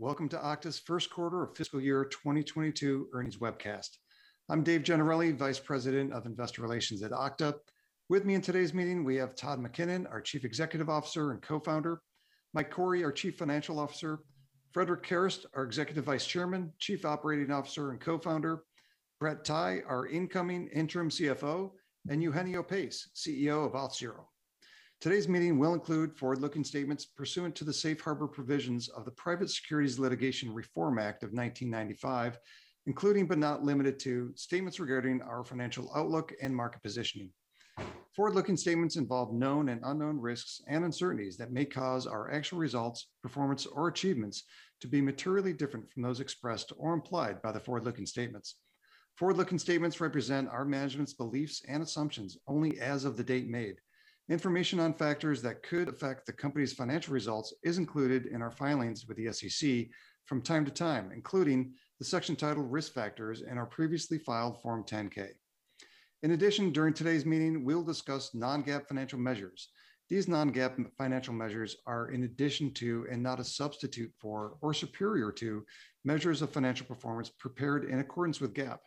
Welcome to Okta's first quarter of fiscal year 2022 earnings webcast. I'm Dave Gennarelli, Vice President of Investor Relations at Okta. With me in today's meeting, we have Todd McKinnon, our Chief Executive Officer and Co-Founder, Mike Kourey, our Chief Financial Officer, Frederic Kerrest, our Executive Vice Chairman, Chief Operating Officer, and Co-Founder, Brett Tighe, our Incoming Interim CFO, and Eugenio Pace, CEO of Auth0. Today's meeting will include forward-looking statements pursuant to the Safe Harbor Provisions of the Private Securities Litigation Reform Act of 1995, including but not limited to, statements regarding our financial outlook and market positioning. Forward-looking statements involve known and unknown risks and uncertainties that may cause our actual results, performance, or achievements to be materially different from those expressed or implied by the forward-looking statements. Forward-looking statements represent our management's beliefs and assumptions only as of the date made. Information on factors that could affect the company's financial results is included in our filings with the SEC from time to time, including the section titled Risk Factors in our previously filed Form 10-K. In addition, during today's meeting, we'll discuss non-GAAP financial measures. These non-GAAP financial measures are in addition to and not a substitute for or superior to measures of financial performance prepared in accordance with GAAP.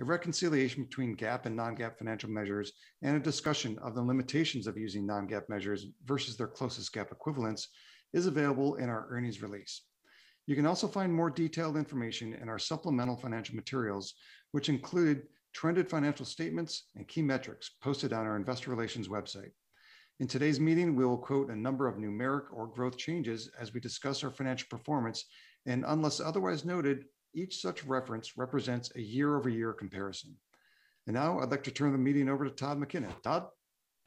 A reconciliation between GAAP and non-GAAP financial measures and a discussion of the limitations of using non-GAAP measures versus their closest GAAP equivalents is available in our earnings release. You can also find more detailed information in our supplemental financial materials, which include trended financial statements and key metrics posted on our Investor Relations website. In today's meeting, we will quote a number of numeric or growth changes as we discuss our financial performance, and unless otherwise noted, each such reference represents a year-over-year comparison. Now I'd like to turn the meeting over to Todd McKinnon. Todd?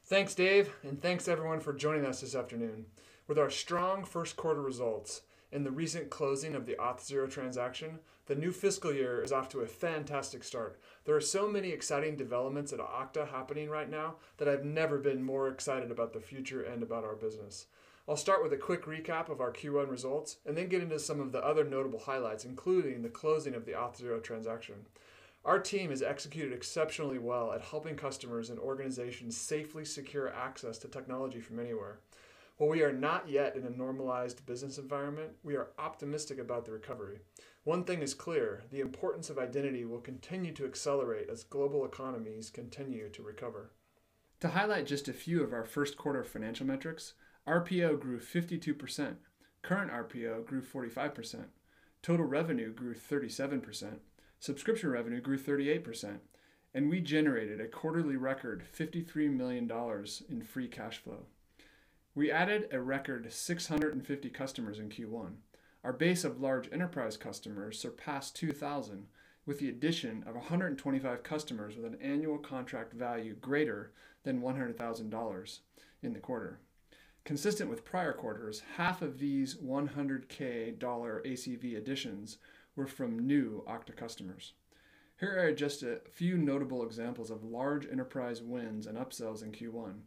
Thanks, Dave, and thanks everyone for joining us this afternoon. With our strong first quarter results and the recent closing of the Auth0 transaction, the new fiscal year is off to a fantastic start. There are so many exciting developments at Okta happening right now that I've never been more excited about the future and about our business. I'll start with a quick recap of our Q1 results and then get into some of the other notable highlights, including the closing of the Auth0 transaction. Our team has executed exceptionally well at helping customers and organizations safely secure access to technology from anywhere. While we are not yet in a normalized business environment, we are optimistic about the recovery. One thing is clear, the importance of identity will continue to accelerate as global economies continue to recover. To highlight just a few of our first quarter financial metrics, RPO grew 52%, current RPO grew 45%, total revenue grew 37%, subscription revenue grew 38%, and we generated a quarterly record $53 million in free cash flow. We added a record 650 customers in Q1. Our base of large enterprise customers surpassed 2,000 with the addition of 125 customers with an annual contract value greater than $100,000 in the quarter. Consistent with prior quarters, half of these $100,000 ACV additions were from new Okta customers. Here are just a few notable examples of large enterprise wins and upsells in Q1,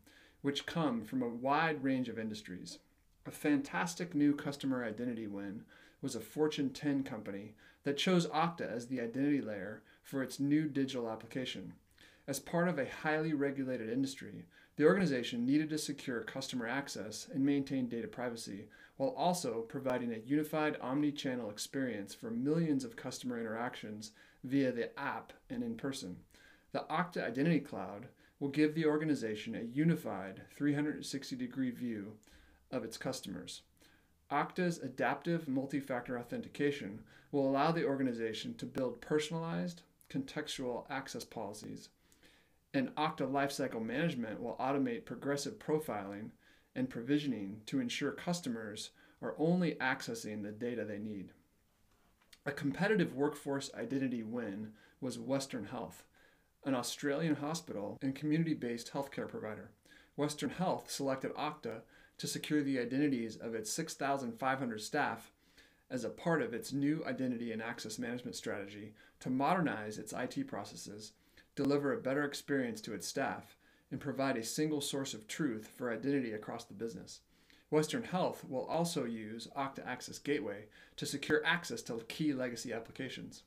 which come from a wide range of industries. A fantastic new customer identity win was a Fortune 10 company that chose Okta as the identity layer for its new digital application. As part of a highly regulated industry, the organization needed to secure customer access and maintain data privacy while also providing a unified omni-channel experience for millions of customer interactions via the app and in-person. The Okta Identity Cloud will give the organization a unified 360-degree view of its customers. Okta's Adaptive Multi-Factor Authentication will allow the organization to build personalized, contextual access policies, and Okta Lifecycle Management will automate progressive profiling and provisioning to ensure customers are only accessing the data they need. A competitive Workforce Identity win was Western Health, an Australian hospital and community-based healthcare provider. Western Health selected Okta to secure the identities of its 6,500 staff as a part of its new identity and access management strategy to modernize its IT processes, deliver a better experience to its staff, and provide a single source of truth for identity across the business. Western Health will also use Okta Access Gateway to secure access to key legacy applications.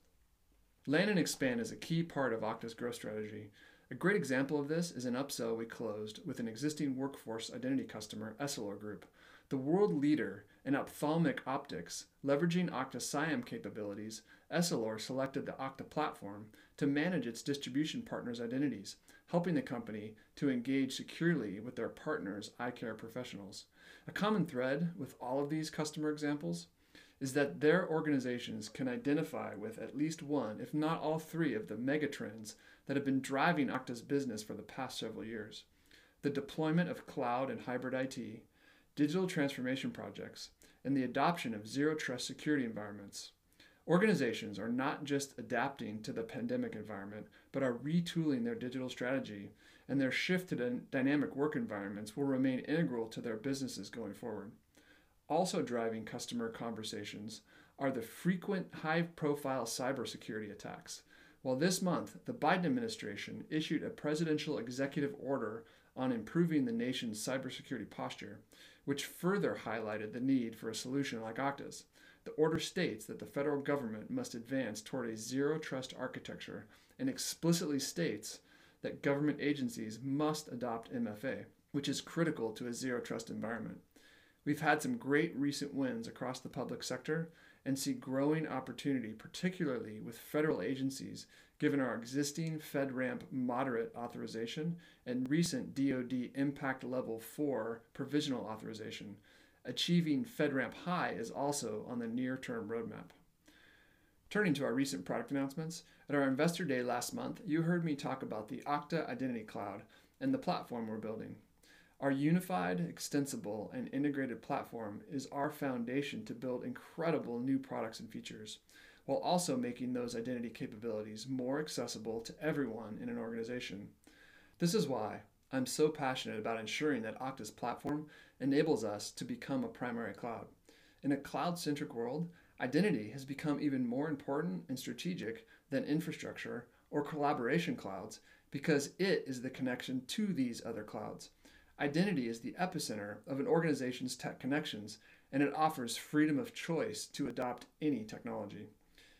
Land and expand is a key part of Okta's growth strategy. A great example of this is an upsell we closed with an existing Workforce Identity customer, Essilor Group, the world leader in ophthalmic optics. Leveraging Okta CIAM capabilities, Essilor selected the Okta platform to manage its distribution partners' identities, helping the company to engage securely with their partners' eye care professionals. A common thread with all of these customer examples is that their organizations can identify with at least one, if not all three, of the mega trends that have been driving Okta's business for the past several years. The deployment of cloud and hybrid IT, digital transformation projects, and the adoption of Zero Trust security environments. Organizations are not just adapting to the pandemic environment but are retooling their digital strategy, their shift to dynamic work environments will remain integral to their businesses going forward. Also driving customer conversations are the frequent high-profile cybersecurity attacks. Well, this month, the Biden administration issued a presidential executive order on improving the nation's cybersecurity posture, which further highlighted the need for a solution like Okta's. The order states that the federal government must advance toward a Zero Trust architecture and explicitly states that government agencies must adopt MFA, which is critical to a Zero Trust environment. We've had some great recent wins across the public sector and see growing opportunity, particularly with federal agencies, given our existing FedRAMP moderate authorization and recent DoD Impact Level 4 provisional authorization. Achieving FedRAMP High is also on the near-term roadmap. Turning to our recent product announcements, at our Investor Day last month, you heard me talk about the Okta Identity Cloud and the platform we're building. Our unified, extensible, and integrated platform is our foundation to build incredible new products and features while also making those identity capabilities more accessible to everyone in an organization. This is why I'm so passionate about ensuring that Okta's platform enables us to become a primary cloud. In a cloud-centric world, identity has become even more important and strategic than infrastructure or collaboration clouds because it is the connection to these other clouds. Identity is the epicenter of an organization's tech connections, and it offers freedom of choice to adopt any technology.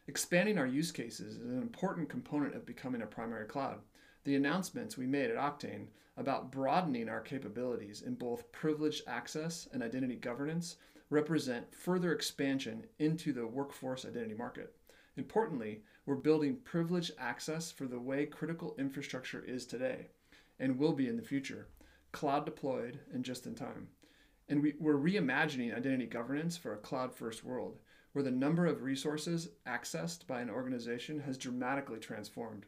Expanding our use cases is an important component of becoming a primary cloud. The announcements we made at Oktane about broadening our capabilities in both privileged access and identity governance represent further expansion into the Workforce Identity market. Importantly, we're building privileged access for the way critical infrastructure is today and will be in the future, cloud deployed and just in time. We're reimagining identity governance for a cloud-first world where the number of resources accessed by an organization has dramatically transformed.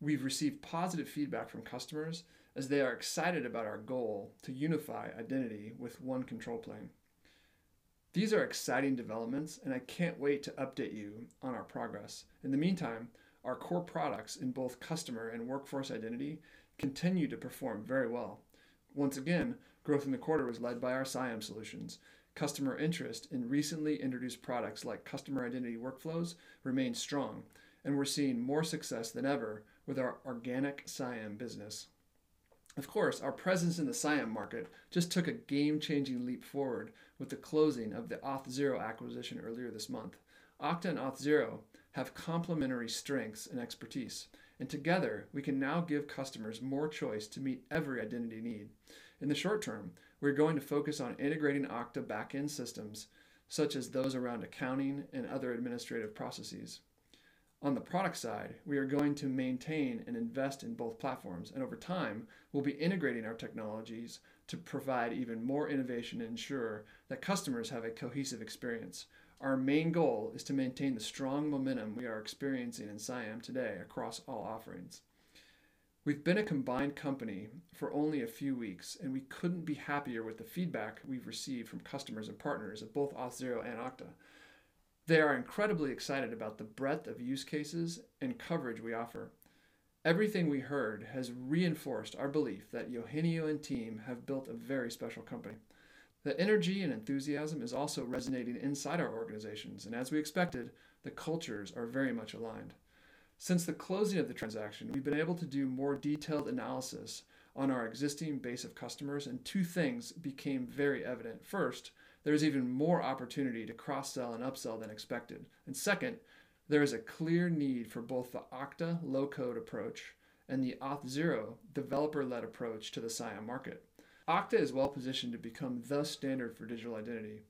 We've received positive feedback from customers as they are excited about our goal to unify identity with one control plane. These are exciting developments, and I can't wait to update you on our progress. In the meantime, our core products in both customer and Workforce Identity continue to perform very well. Once again, growth in the quarter was led by our CIAM solutions. Customer interest in recently introduced products like Customer Identity Workflows remains strong, and we're seeing more success than ever with our organic CIAM business. Of course, our presence in the CIAM market just took a game-changing leap forward with the closing of the Auth0 acquisition earlier this month. Okta and Auth0 have complementary strengths and expertise, and together we can now give customers more choice to meet every identity need. In the short-term, we're going to focus on integrating Okta backend systems such as those around accounting and other administrative processes. On the product side, we are going to maintain and invest in both platforms, and over time, we'll be integrating our technologies to provide even more innovation and ensure that customers have a cohesive experience. Our main goal is to maintain the strong momentum we are experiencing in CIAM today across all offerings. We've been a combined company for only a few weeks, and we couldn't be happier with the feedback we've received from customers and partners at both Auth0 and Okta. They are incredibly excited about the breadth of use cases and coverage we offer. Everything we heard has reinforced our belief that Eugenio and team have built a very special company. The energy and enthusiasm is also resonating inside our organizations, and as we expected, the cultures are very much aligned. Since the closing of the transaction, we've been able to do more detailed analysis on our existing base of customers, and two things became very evident. First, there's even more opportunity to cross-sell and upsell than expected. Second, there is a clear need for both the Okta low-code approach and the Auth0 developer-led approach to the CIAM market. Okta is well-positioned to become the standard for digital identity.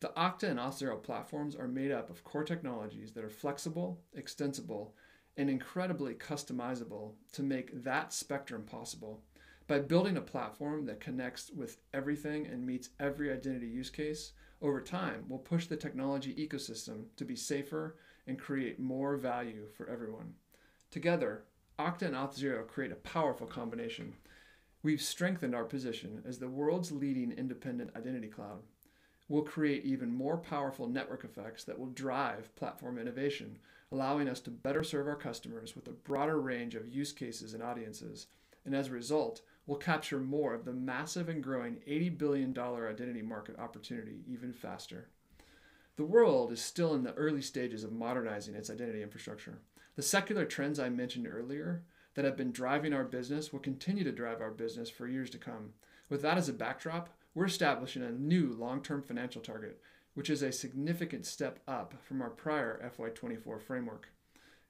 The Okta and Auth0 platforms are made up of core technologies that are flexible, extensible, and incredibly customizable to make that spectrum possible. By building a platform that connects with everything and meets every identity use case, over time, we'll push the technology ecosystem to be safer and create more value for everyone. Together, Okta and Auth0 create a powerful combination. We've strengthened our position as the world's leading independent identity cloud. We'll create even more powerful network effects that will drive platform innovation, allowing us to better serve our customers with a broader range of use cases and audiences. As a result, we'll capture more of the massive and growing $80 billion identity market opportunity even faster. The world is still in the early stages of modernizing its identity infrastructure. The secular trends I mentioned earlier that have been driving our business will continue to drive our business for years to come. We're establishing a new long-term financial target, which is a significant step up from our prior FY 2024 framework.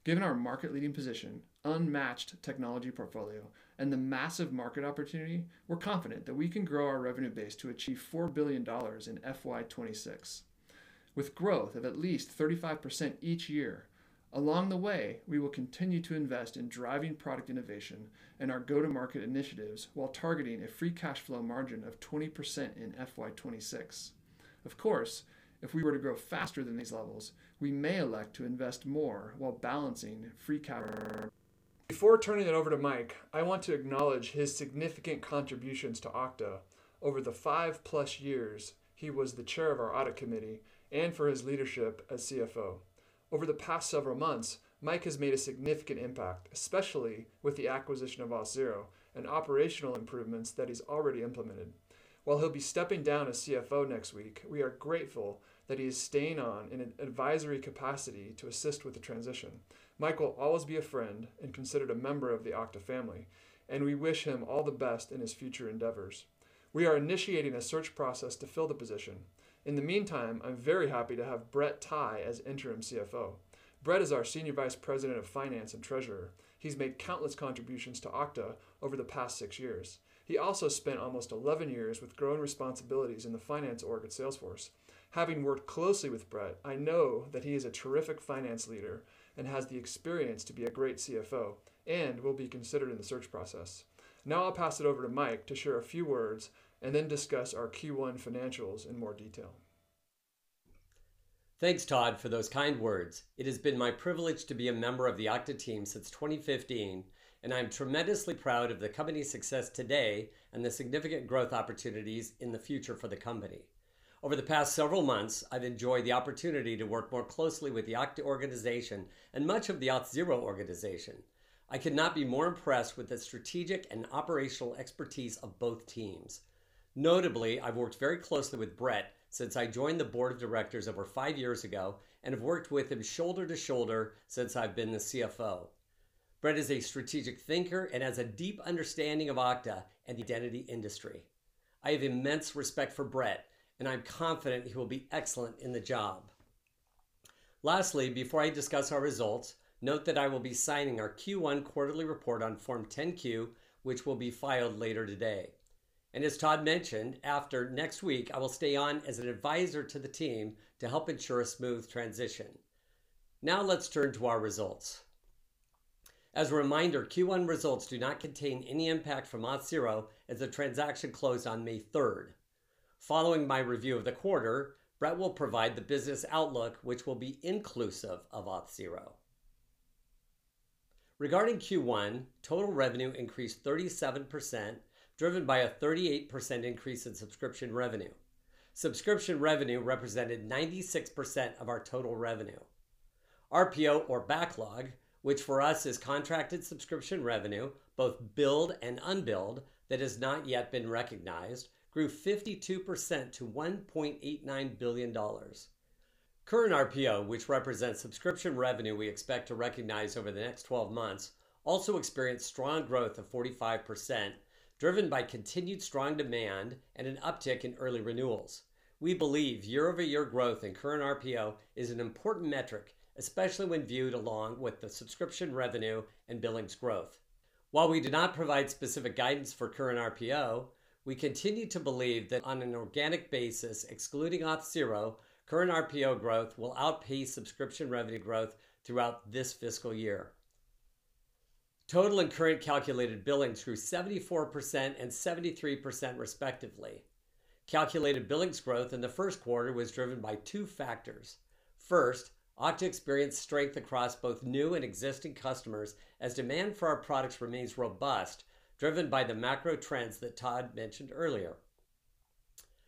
Given our market leading position, unmatched technology portfolio and the massive market opportunity, we're confident that we can grow our revenue base to achieve $4 billion in FY 2026 with growth of at least 35% each year. We will continue to invest in driving product innovation and our go-to-market initiatives while targeting a free cash flow margin of 20% in FY 2026. If we were to grow faster than these levels, we may elect to invest more while balancing free cash flow. Before turning it over to Mike, I want to acknowledge his significant contributions to Okta over the five-plus years he was the Chair of our Audit Committee and for his leadership as CFO. Over the past several months, Mike has made a significant impact, especially with the acquisition of Auth0 and operational improvements that he's already implemented. While he'll be stepping down as CFO next week, we are grateful that he is staying on in an advisory capacity to assist with the transition. Mike will always be a friend and considered a member of the Okta family, and we wish him all the best in his future endeavors. We are initiating a search process to fill the position In the meantime, I'm very happy to have Brett Tighe as Interim CFO. Brett Tighe is our Senior Vice President of Finance and Treasurer. He's made countless contributions to Okta over the past six years. He also spent almost 11 years with growing responsibilities in the finance org at Salesforce. Having worked closely with Brett, I know that he is a terrific finance leader and has the experience to be a great CFO, and will be considered in the search process. I'll pass it over to Mike to share a few words and then discuss our Q1 financials in more detail. Thanks, Todd, for those kind words. It has been my privilege to be a member of the Okta team since 2015. I'm tremendously proud of the company's success today and the significant growth opportunities in the future for the company. Over the past several months, I've enjoyed the opportunity to work more closely with the Okta organization and much of the Auth0 organization. I cannot be more impressed with the strategic and operational expertise of both teams. Notably, I've worked very closely with Brett since I joined the Board of Directors over five years ago and have worked with him shoulder to shoulder since I've been the CFO. Brett is a strategic thinker and has a deep understanding of Okta and the Identity industry. I have immense respect for Brett. I'm confident he will be excellent in the job. Lastly, before I discuss our results, note that I will be signing our Q1 quarterly report on Form 10-Q, which will be filed later today. As Todd mentioned, after next week, I will stay on as an advisor to the team to help ensure a smooth transition. Now let's turn to our results. As a reminder, Q1 results do not contain any impact from Auth0, as the transaction closed on May 3rd. Following my review of the quarter, Brett will provide the business outlook, which will be inclusive of Auth0. Regarding Q1, total revenue increased 37%, driven by a 38% increase in subscription revenue. Subscription revenue represented 96% of our total revenue. RPO or backlog, which for us is contracted subscription revenue, both billed and unbilled, that has not yet been recognized, grew 52% to $1.89 billion. Current RPO, which represents subscription revenue we expect to recognize over the next 12 months, also experienced strong growth of 45%, driven by continued strong demand and an uptick in early renewals. We believe year-over-year growth in current RPO is an important metric, especially when viewed along with the subscription revenue and billings growth. While we do not provide specific guidance for current RPO, we continue to believe that on an organic basis, excluding Auth0, current RPO growth will outpace subscription revenue growth throughout this fiscal year. Total and current calculated billings grew 74% and 73% respectively. Calculated billings growth in the first quarter was driven by two factors. First, Okta experienced strength across both new and existing customers as demand for our products remains robust, driven by the macro trends that Todd mentioned earlier.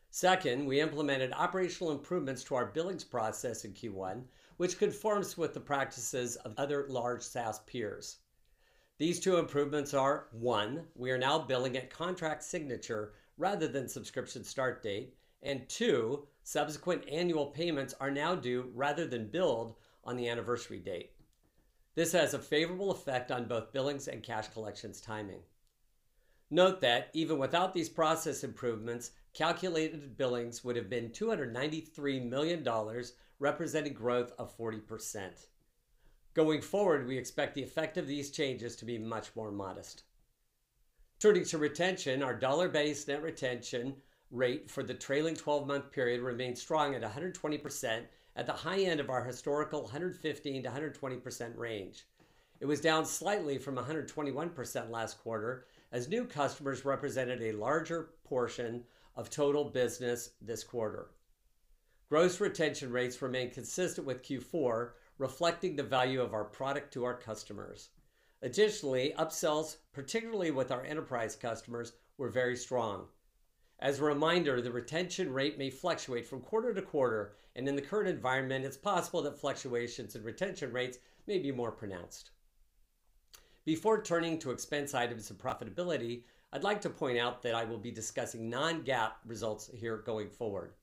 Second, we implemented operational improvements to our billings process in Q1, which conforms with the practices of other large SaaS peers. These two improvements are, one, we are now billing at contract signature rather than subscription start date, and two, subsequent annual payments are now due rather than billed on the anniversary date. This has a favorable effect on both billings and cash collections timing. Note that even without these process improvements, calculated billings would have been $293 million, representing growth of 40%. Going forward, we expect the effect of these changes to be much more modest. Turning to retention, our dollar-based net retention rate for the trailing 12-month period remained strong at 120% at the high end of our historical 115%-120% range. It was down slightly from 121% last quarter as new customers represented a larger portion of total business this quarter. Gross retention rates remain consistent with Q4, reflecting the value of our product to our customers. Upsells, particularly with our enterprise customers, were very strong. As a reminder, the retention rate may fluctuate from quarter-to-quarter, and in the current environment, it's possible that fluctuations in retention rates may be more pronounced. Before turning to expense items and profitability, I'd like to point out that I will be discussing non-GAAP results here going forward.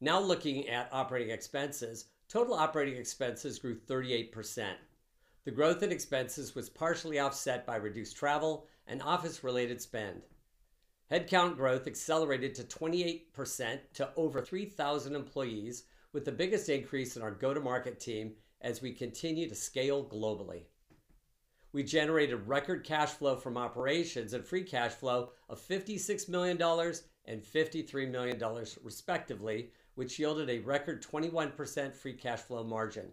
Looking at operating expenses, total operating expenses grew 38%. The growth in expenses was partially offset by reduced travel and office-related spend. Headcount growth accelerated to 28% to over 3,000 employees, with the biggest increase in our go-to-market team as we continue to scale globally. We generated record cash flow from operations and free cash flow of $56 million and $53 million respectively, which yielded a record 21% free cash flow margin.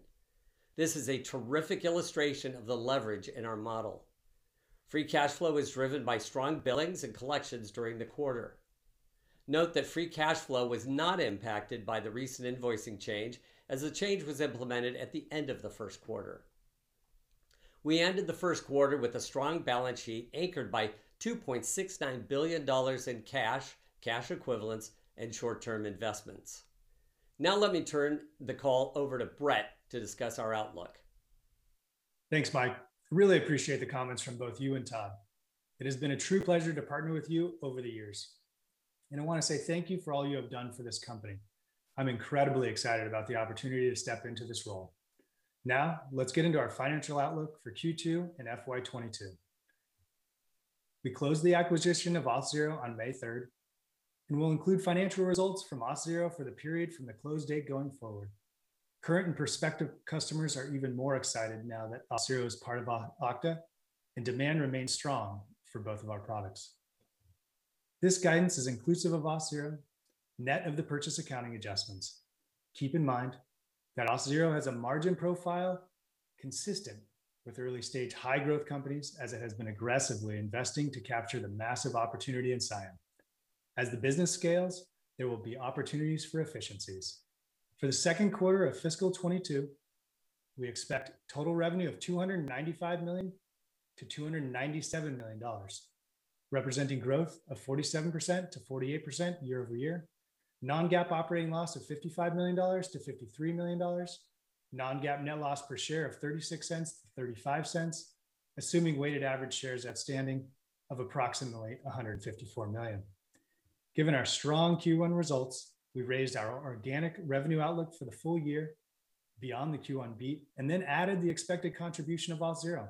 This is a terrific illustration of the leverage in our model. Free cash flow was driven by strong billings and collections during the quarter. Note that free cash flow was not impacted by the recent invoicing change, as the change was implemented at the end of the first quarter. We ended the first quarter with a strong balance sheet anchored by $2.69 billion in cash equivalents and short-term investments. Let me turn the call over to Brett to discuss our outlook. Thanks, Mike. Really appreciate the comments from both you and Todd. It has been a true pleasure to partner with you over the years, and I want to say thank you for all you have done for this company. I'm incredibly excited about the opportunity to step into this role. Now, let's get into our financial outlook for Q2 and FY 2022. We closed the acquisition of Auth0 on May 3rd, and we'll include financial results from Auth0 for the period from the close date going forward. Current and prospective customers are even more excited now that Auth0 is part of Okta, and demand remains strong for both of our products. This guidance is inclusive of Auth0, net of the purchase accounting adjustments. Keep in mind that Auth0 has a margin profile consistent with early-stage high-growth companies, as it has been aggressively investing to capture the massive opportunity in CIAM. As the business scales, there will be opportunities for efficiencies. For the second quarter of fiscal 2022, we expect total revenue of $295 million-$297 million, representing growth of 47%-48% year-over-year. Non-GAAP operating loss of $55 million-$53 million. Non-GAAP net loss per share of $0.36-$0.35, assuming weighted average shares outstanding of approximately 154 million. Given our strong Q1 results, we raised our organic revenue outlook for the full year beyond the Q1 beat and then added the expected contribution of Auth0.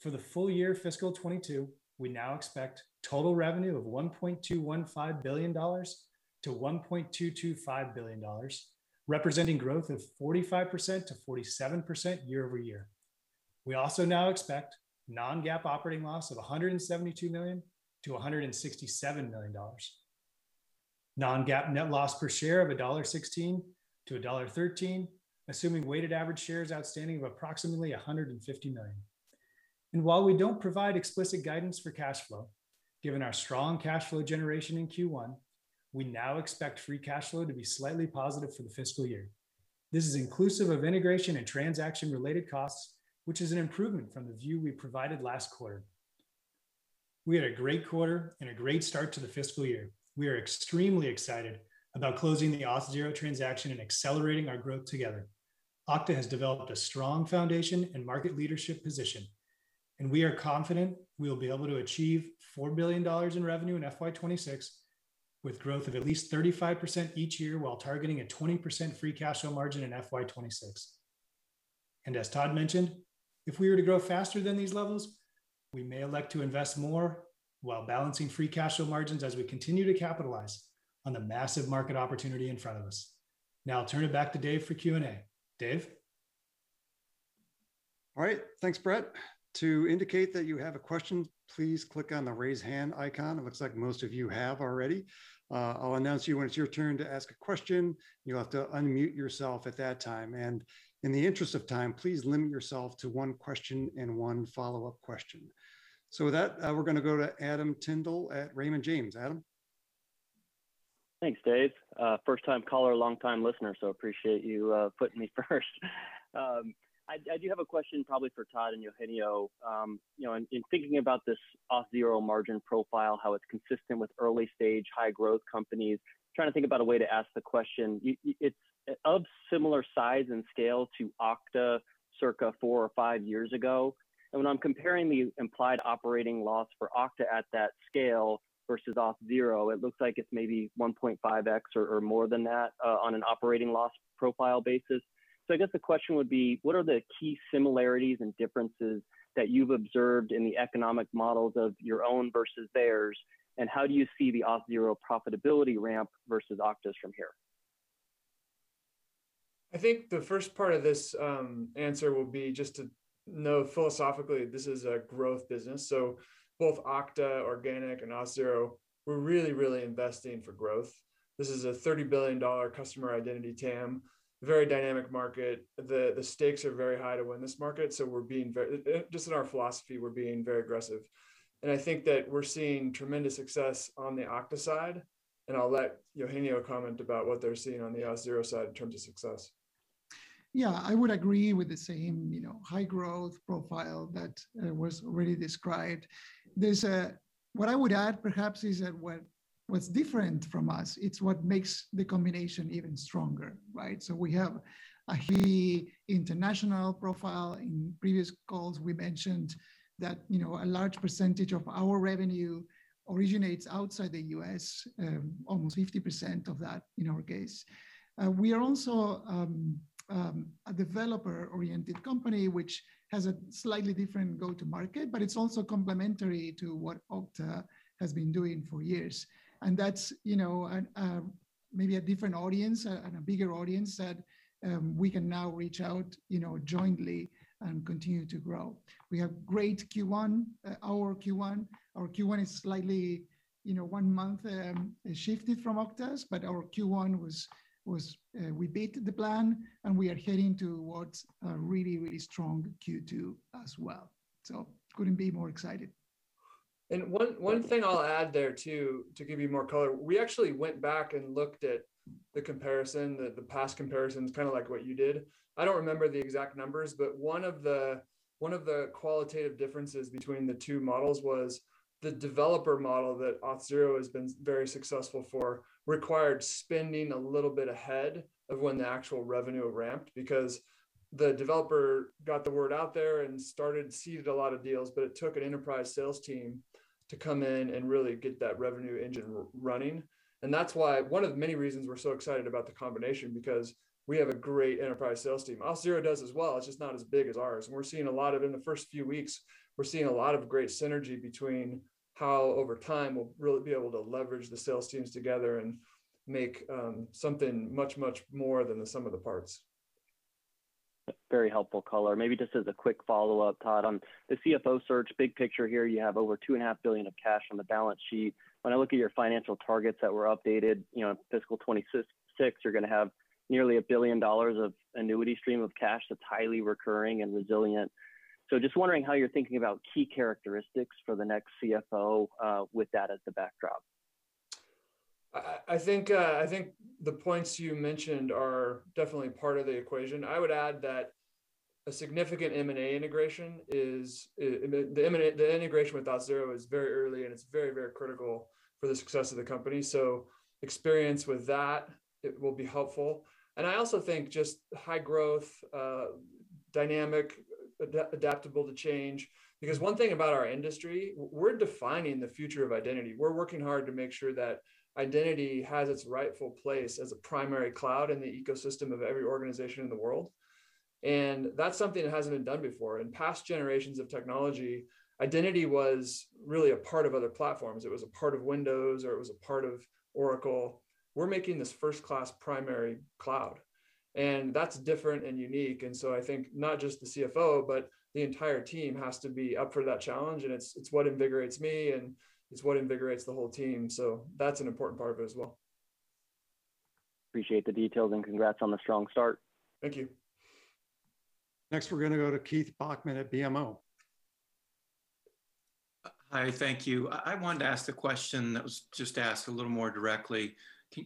For the full year fiscal 2022, we now expect total revenue of $1.215 billion-$1.225 billion, representing growth of 45%-47% year-over-year. We also now expect non-GAAP operating loss of $172 million-$167 million. Non-GAAP net loss per share of $1.16-$1.13, assuming weighted average shares outstanding of approximately 150 million. While we do not provide explicit guidance for cash flow, given our strong cash flow generation in Q1, we now expect free cash flow to be slightly positive for the fiscal year. This is inclusive of integration and transaction-related costs, which is an improvement from the view we provided last quarter. We had a great quarter and a great start to the fiscal year. We are extremely excited about closing the Auth0 transaction and accelerating our growth together. Okta has developed a strong foundation and market leadership position, we are confident we will be able to achieve $4 billion in revenue in FY 2026, with growth of at least 35% each year, while targeting a 20% free cash flow margin in FY 2026. As Todd mentioned, if we were to grow faster than these levels, we may elect to invest more while balancing free cash flow margins as we continue to capitalize on the massive market opportunity in front of us. Now I'll turn it back to Dave for Q&A. Dave? All right. Thanks, Brett. To indicate that you have a question, please click on the raise hand icon. It looks like most of you have already. I'll announce you when it's your turn to ask a question. You'll have to unmute yourself at that time. In the interest of time, please limit yourself to one question and one follow-up question. With that, we're going to go to Adam Tindle at Raymond James. Adam? Thanks, Dave. First-time caller, long-time listener, so appreciate you putting me first. I do have a question probably for Todd and Eugenio. In thinking about this Auth0 margin profile, how it's consistent with early-stage high-growth companies, trying to think about a way to ask the question. Of similar size and scale to Okta circa four or five years ago, and when I'm comparing the implied operating loss for Okta at that scale versus Auth0, it looks like it's maybe 1.5x or more than that on an operating loss profile basis. I guess the question would be, what are the key similarities and differences that you've observed in the economic models of your own versus theirs, and how do you see the Auth0 profitability ramp versus Okta's from here? I think the first part of this answer will be just to know philosophically, this is a growth business. Both Okta organic and Auth0, we're really investing for growth. This is a $30 billion customer identity TAM, very dynamic market. The stakes are very high to win this market, so just in our philosophy, we're being very aggressive. I think that we're seeing tremendous success on the Okta side, and I'll let Eugenio comment about what they're seeing on the Auth0 side in terms of success. Yeah. I would agree with the same high growth profile that was already described. What I would add perhaps is that what's different from us, it's what makes the combination even stronger, right? We have a heavy international profile. In previous calls, we mentioned that a large percentage of our revenue originates outside the U.S., almost 50% of that in our case. We are also a developer-oriented company, which has a slightly different go-to-market, but it's also complementary to what Okta has been doing for years. That's maybe a different audience and a bigger audience that we can now reach out jointly and continue to grow. We have great Q1, our Q1. Our Q1 is slightly one month shifted from Okta, but our Q1 was we beat the plan, and we are heading towards a really, really strong Q2 as well. Couldn't be more excited. One thing I'll add there too, to give you more color, we actually went back and looked at the comparison, the past comparisons, kind of like what you did. I don't remember the exact numbers, but one of the qualitative differences between the two models was the developer model that Auth0 has been very successful for, required spending a little bit ahead of when the actual revenue ramped because the developer got the word out there and seeded a lot of deals, but it took an enterprise sales team to come in and really get that revenue engine running. That's one of the many reasons we're so excited about the combination because we have a great enterprise sales team. Auth0 does as well, it's just not as big as ours, and in the first few weeks, we're seeing a lot of great synergy between how over time we'll really be able to leverage the sales teams together and make something much, much more than the sum of the parts. That's a very helpful color. Maybe just as a quick follow-up, Todd, on the CFO search big picture here, you have over $2.5 billion of cash on the balance sheet. When I look at your financial targets that were updated, fiscal 2026, you're going to have nearly $1 billion of annuity stream of cash that's highly recurring and resilient. Just wondering how you're thinking about key characteristics for the next CFO with that as a backdrop. I think the points you mentioned are definitely part of the equation. I would add that a significant M&A integration, the integration with Auth0 is very early, and it's very critical for the success of the company. Experience with that will be helpful. I also think just high growth, dynamic, adaptable to change. One thing about our industry, we're defining the future of identity. We're working hard to make sure that identity has its rightful place as a primary cloud in the ecosystem of every organization in the world. That's something that hasn't been done before. In past generations of technology, identity was really a part of other platforms. It was a part of Windows, or it was a part of Oracle. We're making this first-class primary cloud, and that's different and unique. I think not just the CFO, but the entire team has to be up for that challenge, and it's what invigorates me, and it's what invigorates the whole team. That's an important part of it as well. Appreciate the details and congrats on the strong start. Thank you. Next, we're going to go to Keith Bachman at BMO. Hi, thank you. I wanted to ask the question that was just asked a little more directly.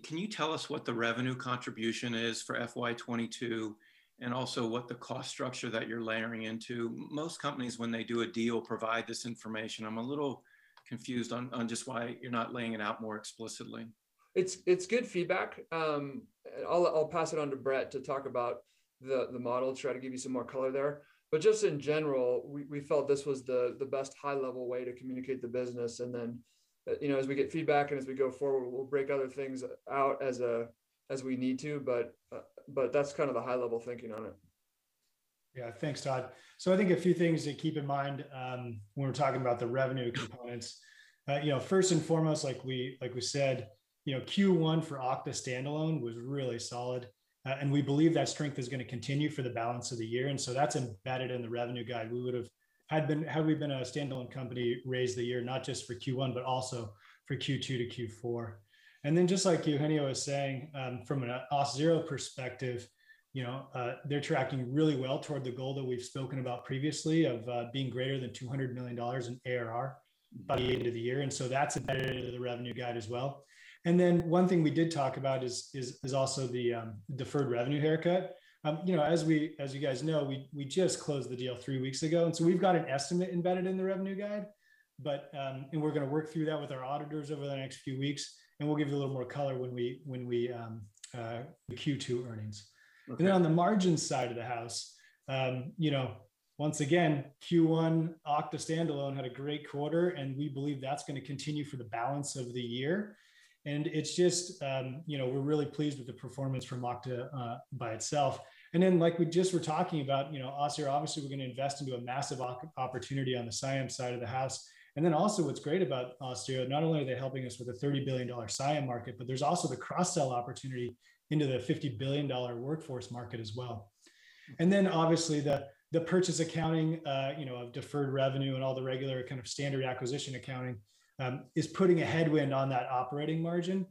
Can you tell us what the revenue contribution is for FY 2022 and also what the cost structure that you're layering into? Most companies, when they do a deal, provide this information. I'm a little confused on just why you're not laying it out more explicitly. It's good feedback. I'll pass it on to Brett to talk about the model to try to give you some more color there. Just in general, we felt this was the best high-level way to communicate the business, and then as we get feedback and as we go forward, we'll break other things out as we need to. That's the high-level thinking on it. Yeah, thanks, Todd. I think a few things to keep in mind when we're talking about the revenue components. First and foremost, like we said, Q1 for Okta standalone was really solid, and we believe that strength is going to continue for the balance of the year. That's embedded in the revenue guide. Had we been a standalone company, raise the year, not just for Q1, but also for Q2 to Q4. Then, just like Eugenio was saying, from an Auth0 perspective, they're tracking really well toward the goal that we've spoken about previously of being greater than $200 million in ARR by the end of the year. That's embedded into the revenue guide as well. Then one thing we did talk about is also the deferred revenue haircut. As you guys know, we just closed the deal three weeks ago, we've got an estimate embedded in the revenue guide. We're going to work through that with our auditors over the next few weeks, and we'll give you a little more color when we Q2 earnings. On the margin side of the house, once again, Q1 Okta standalone had a great quarter, and we believe that's going to continue for the balance of the year. We're really pleased with the performance from Okta by itself. Like we just were talking about Auth0, obviously, we're going to invest into a massive opportunity on the CIAM side of the house. Also what's great about Auth0, not only are they helping us with a $30 billion CIAM market, but there's also the cross-sell opportunity into the $50 billion Workforce market as well. Obviously the purchase accounting, deferred revenue, and all the regular standard acquisition accounting is putting a headwind on that operating margin.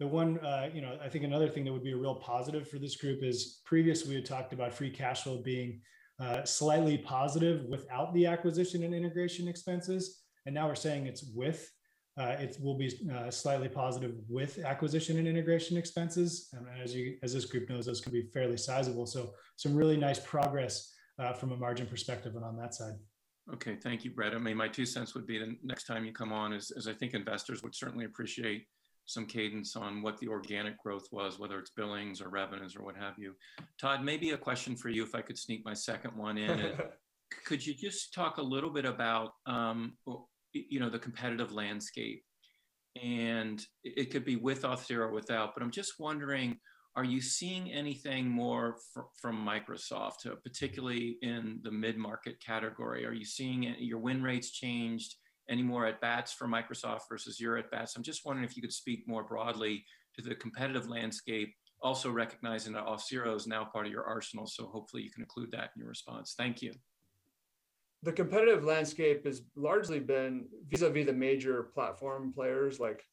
I think another thing that would be a real positive for this group is previously we had talked about free cash flow being slightly positive without the acquisition and integration expenses, and now we're saying it will be slightly positive with acquisition and integration expenses. As this group knows, those can be fairly sizable. Some really nice progress from a margin perspective on that side. Okay. Thank you, Brett. My two cents would be next time you come on is I think investors would certainly appreciate some cadence on what the organic growth was, whether it's billings or revenues or what have you. Todd, maybe a question for you if I could sneak my second one in. Could you just talk a little bit about the competitive landscape? It could be with Auth0 or without, but I'm just wondering, are you seeing anything more from Microsoft, particularly in the mid-market category? Are you seeing your win rates change any more at bats for Microsoft versus your at bats? I'm just wondering if you could speak more broadly to the competitive landscape, also recognizing that Auth0 is now part of your arsenal. Hopefully you can include that in your response. Thank you. The competitive landscape has largely been vis-à-vis the major platform players like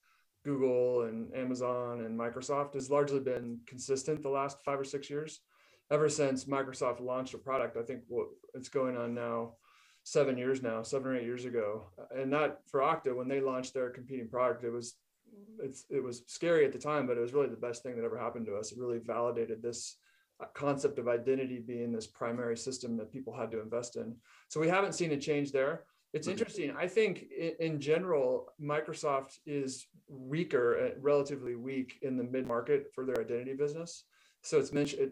Google and Amazon and Microsoft, has largely been consistent the last five or six years. Ever since Microsoft launched a product, I think it's going on now seven or eight years ago. That for Okta, when they launched their competing product, it was scary at the time, but it was really the best thing that ever happened to us. It really validated this concept of identity being this primary system that people had to invest in. We haven't seen a change there. It's interesting. I think in general, Microsoft is weaker and relatively weak in the mid-market for their identity business. It's interesting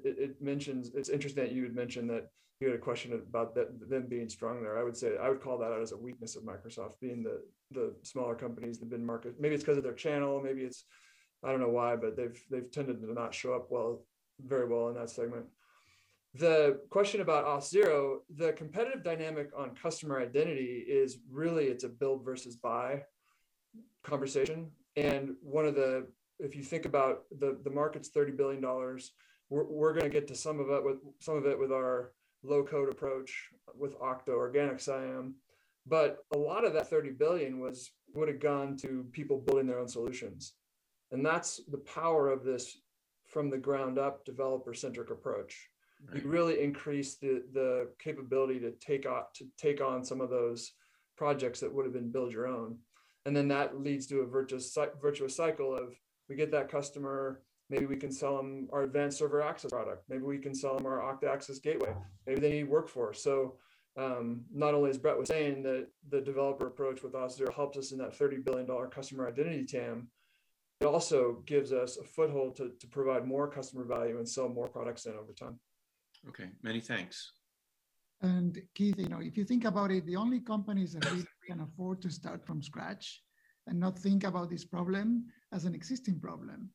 that you had mentioned that you had a question about them being stronger. I would call that as a weakness of Microsoft being that the smaller companies in the mid-market, maybe it's because of their channel, I don't know why, but they've tended to not show up very well in that segment. The question about Auth0, the competitive dynamic on customer identity is really it's a build versus buy. If you think about the market's $30 billion, we're going to get to some of it with our low-code approach with Okta Organic CIAM. A lot of that $30 billion would've gone to people building their own solutions. That's the power of this from the ground up developer-centric approach. Right. You really increase the capability to take on some of those projects that would've been build your own. That leads to a virtuous cycle of we get that customer, maybe we can sell them our Advanced Server Access product. Maybe we can sell them our Okta Access Gateway, maybe they need workforce. Not only as Brett was saying that the developer approach with us helped us in that $30 billion customer identity TAM, it also gives us a foothold to provide more customer value and sell more products in over time. Okay. Many thanks. Keith, if you think about it, the only companies that really can afford to start from scratch and not think about this problem as an existing problem,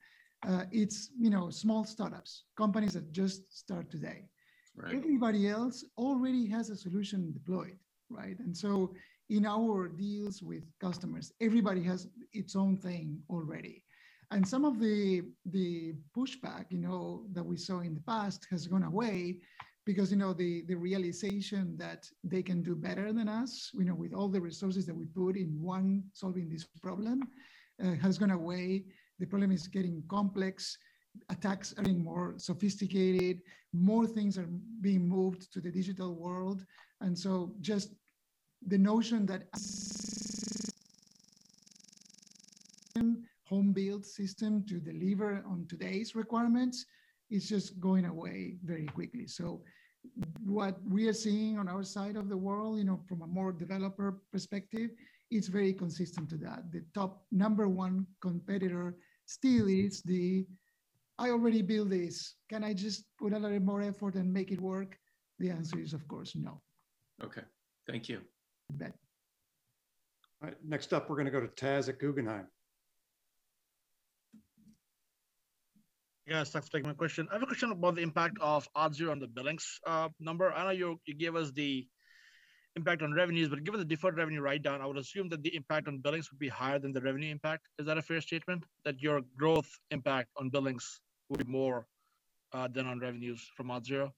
it's small start-ups, companies that just start today. Right. Everybody else already has a solution deployed, right? In our deals with customers, everybody has its own thing already. Some of the pushback that we saw in the past has gone away because the realization that they can do better than us with all the resources that we put in solving this problem has gone away. The problem is getting complex, attacks are getting more sophisticated, more things are being moved to the digital world. Just the notion that home-built system to deliver on today's requirements is just going away very quickly. What we are seeing on our side of the world from a more developer perspective, it's very consistent to that. The top number one competitor still is the, "I already built this. Can I just put a little more effort and make it work?" The answer is of course no. Okay. Thank you. You bet. All right. Next up we're going to go to Taz at Guggenheim. Yes. Thanks. One question. I have a question about the impact of Auth0 on the billings number. I know you gave us the impact on revenues, but given the deferred revenue write-down, I would assume that the impact on billings would be higher than the revenue impact. Is that a fair statement? That your growth impact on billings would be more than on revenues from Auth0?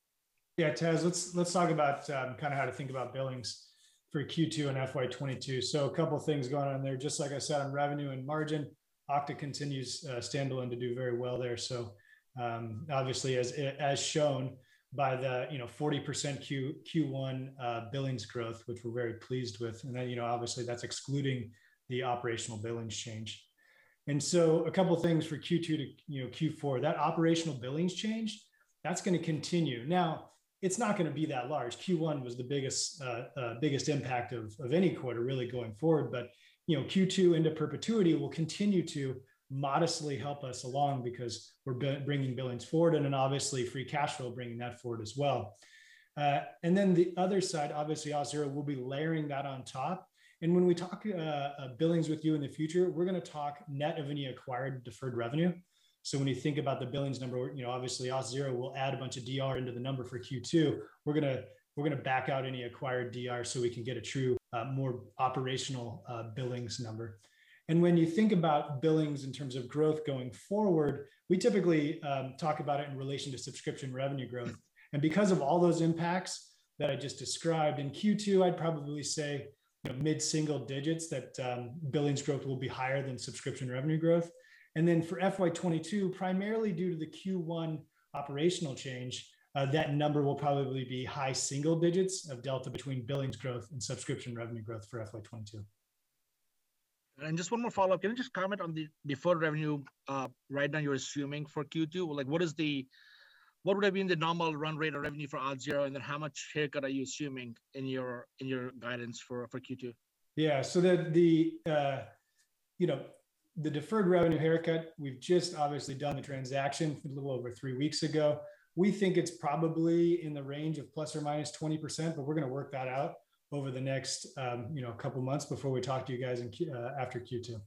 Yeah, Taz, let's talk about how to think about billings for Q2 and FY 2022. A couple of things going on there. Just like I said, on revenue and margin, Okta continues standalone to do very well there. Obviously as shown by the 40% Q1 billings growth, which we're very pleased with. Obviously that's excluding the operational billings change. A couple of things for Q2 to Q4. That operational billings change, that's going to continue. Now, it's not going to be that large. Q1 was the biggest impact of any quarter really going forward. Q2 into perpetuity will continue to modestly help us along because we're bringing billings forward and obviously free cash flow bringing that forward as well. The other side, obviously Auth0, we'll be layering that on top. When we talk billings with you in the future, we're going to talk net of any acquired deferred revenue. When you think about the billings number, obviously Auth0 will add a bunch of DR into the number for Q2. We're going to back out any acquired DR so we can get a true more operational billings number. When you think about billings in terms of growth going forward, we typically talk about it in relation to subscription revenue growth. Because of all those impacts that I just described, in Q2, I'd probably say mid-single digits that billings growth will be higher than subscription revenue growth. Then for FY 2022, primarily due to the Q1 operational change, that number will probably be high single digits of delta between billings growth and subscription revenue growth for FY 2022. Just one follow-up. Can you just comment on the deferred revenue write-down you're assuming for Q2? What would have been the normal run rate of revenue for Auth0, and then how much haircut are you assuming in your guidance for Q2? Yeah. The deferred revenue haircut, we've just obviously done the transaction a little over three weeks ago. We think it's probably in the range of ±20%, but we're going to work that out over the next couple of months before we talk to you guys after Q2.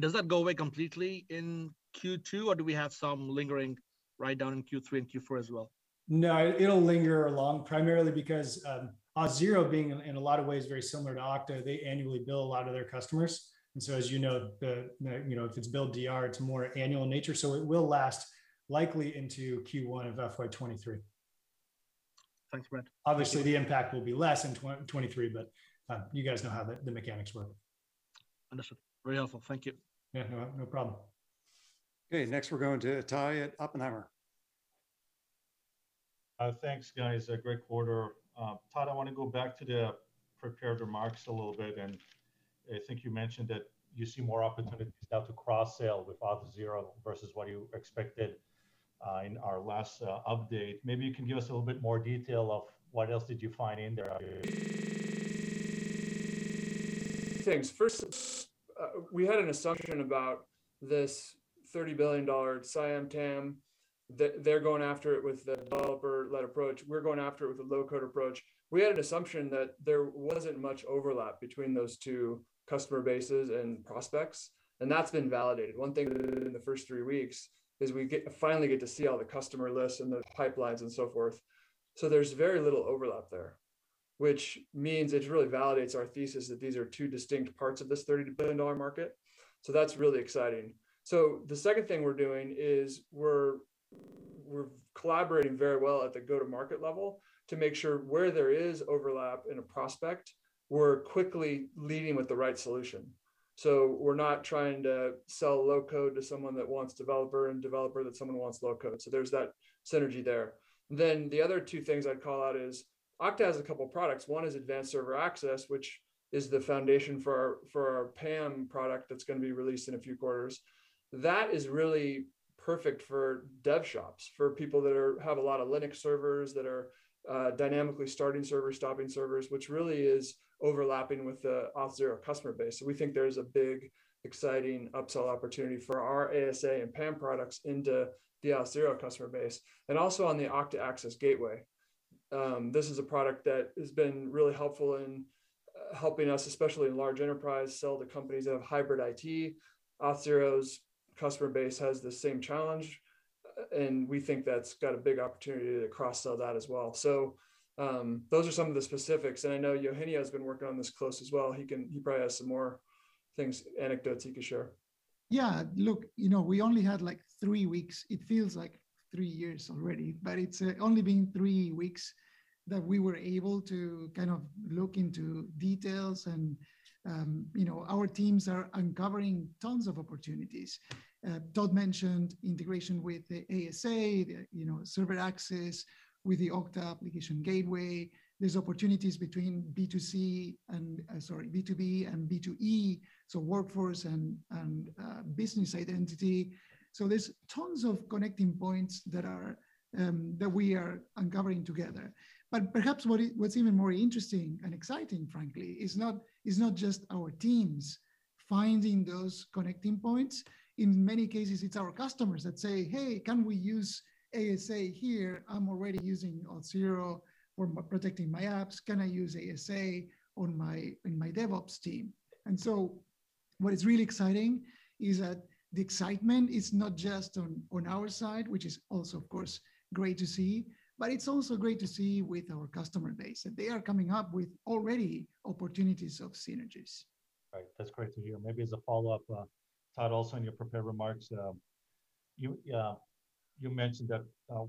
Does that go away completely in Q2, or do we have some lingering write-down in Q3 and Q4 as well? No, it'll linger along primarily because Auth0 being in a lot of ways very similar to Okta, they annually bill a lot of their customers. As you know, if it's billed DR, it's more annual nature, so it will last likely into Q1 of FY 2023. Thanks, Brett. Obviously, the impact will be less in 2023. You guys know how the mechanics work. Understood. Very helpful. Thank you. Yeah. No problem. Okay, next we're going to Ittai at Oppenheimer. Thanks, guys. Great quarter. Todd, I want to go back to the prepared remarks a little bit, and I think you mentioned that you see more opportunities now to cross-sell with Auth0 versus what you expected in our last update. Maybe you can give us a little bit more detail of what else did you find in there? Two things. First, we had an assumption about this $30 billion CIAM TAM, that they're going after it with the developer-led approach, and we're going after it with a low-code approach. We had an assumption that there wasn't much overlap between those two customer bases and prospects, and that's been validated. One thing we've learned in the first three weeks is we finally get to see all the customer lists and the pipelines and so forth. There's very little overlap there. It really validates our thesis that these are two distinct parts of this $30 billion market. That's really exciting. The second thing we're doing is we're collaborating very well at the go-to-market level to make sure where there is overlap in a prospect, we're quickly leading with the right solution. We're not trying to sell low-code to someone that wants developer and developer to someone who wants low-code. There's that synergy there. Then the other two things I'd call out is Okta has a couple products. One is Advanced Server Access, which is the foundation for our PAM product that's going to be released in a few quarters. That is really perfect for dev shops, for people that have a lot of Linux servers, that are dynamically starting servers, stopping servers, which really is overlapping with the Auth0 customer base. We think there's a big, exciting upsell opportunity for our ASA and PAM products into the Auth0 customer base, and also on the Okta Access Gateway. This is a product that has been really helpful in helping us, especially in large enterprise sell to companies that have hybrid IT. Auth0's customer base has the same challenge. We think that's got a big opportunity to cross-sell that as well. Those are some of the specifics. I know Eugenio has been working on this close as well. He probably has some more things, anecdotes he could share. Look, we only had three weeks. It feels like three years already, it's only been three weeks that we were able to look into details and our teams are uncovering tons of opportunities. Todd mentioned integration with the ASA, the server access with the Okta Access Gateway. There's opportunities between B2C and, sorry, B2B and B2E, so workforce and business identity. There's tons of connecting points that we are uncovering together. Perhaps what's even more interesting and exciting, frankly, is not just our teams finding those connecting points. In many cases, it's our customers that say, "Hey, can we use ASA here? I'm already using Auth0 for protecting my apps. Can I use ASA on my DevOps team?" What's really exciting is that the excitement is not just on our side, which is also, of course, great to see, but it's also great to see with our customer base, that they are coming up with already opportunities of synergies. All right. That's great to hear. Maybe as a follow-up, Todd, also in your prepared remarks, you mentioned that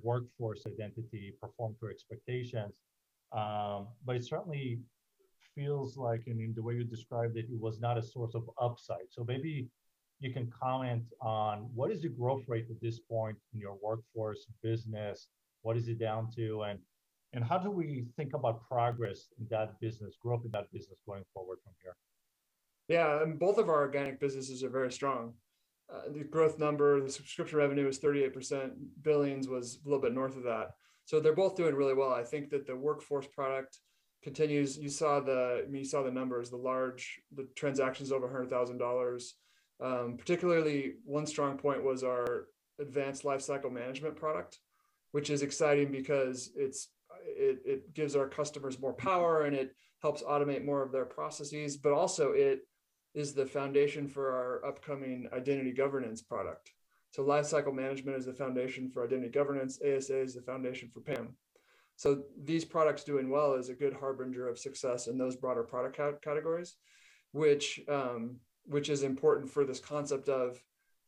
Workforce Identity performed to expectations. It certainly feels like, the way you described it was not a source of upside. Maybe you can comment on what is the growth rate at this point in your Workforce business, what is it down to, and how do we think about progress in that business, growth in that business going forward from here? Yeah. Both of our organic businesses are very strong. The growth number, the subscription revenue was 38%, billings was a little bit north of that. They're both doing really well. I think that the workforce product continues. You saw the numbers, the large transactions over $100,000. Particularly one strong point was our Advanced Lifecycle Management product, which is exciting because it gives our customers more power, and it helps automate more of their processes, but also it is the foundation for our upcoming identity governance product. Lifecycle management is the foundation for identity governance. ASA is the foundation for PAM. These products doing well is a good harbinger of success in those broader product categories, which is important for this concept of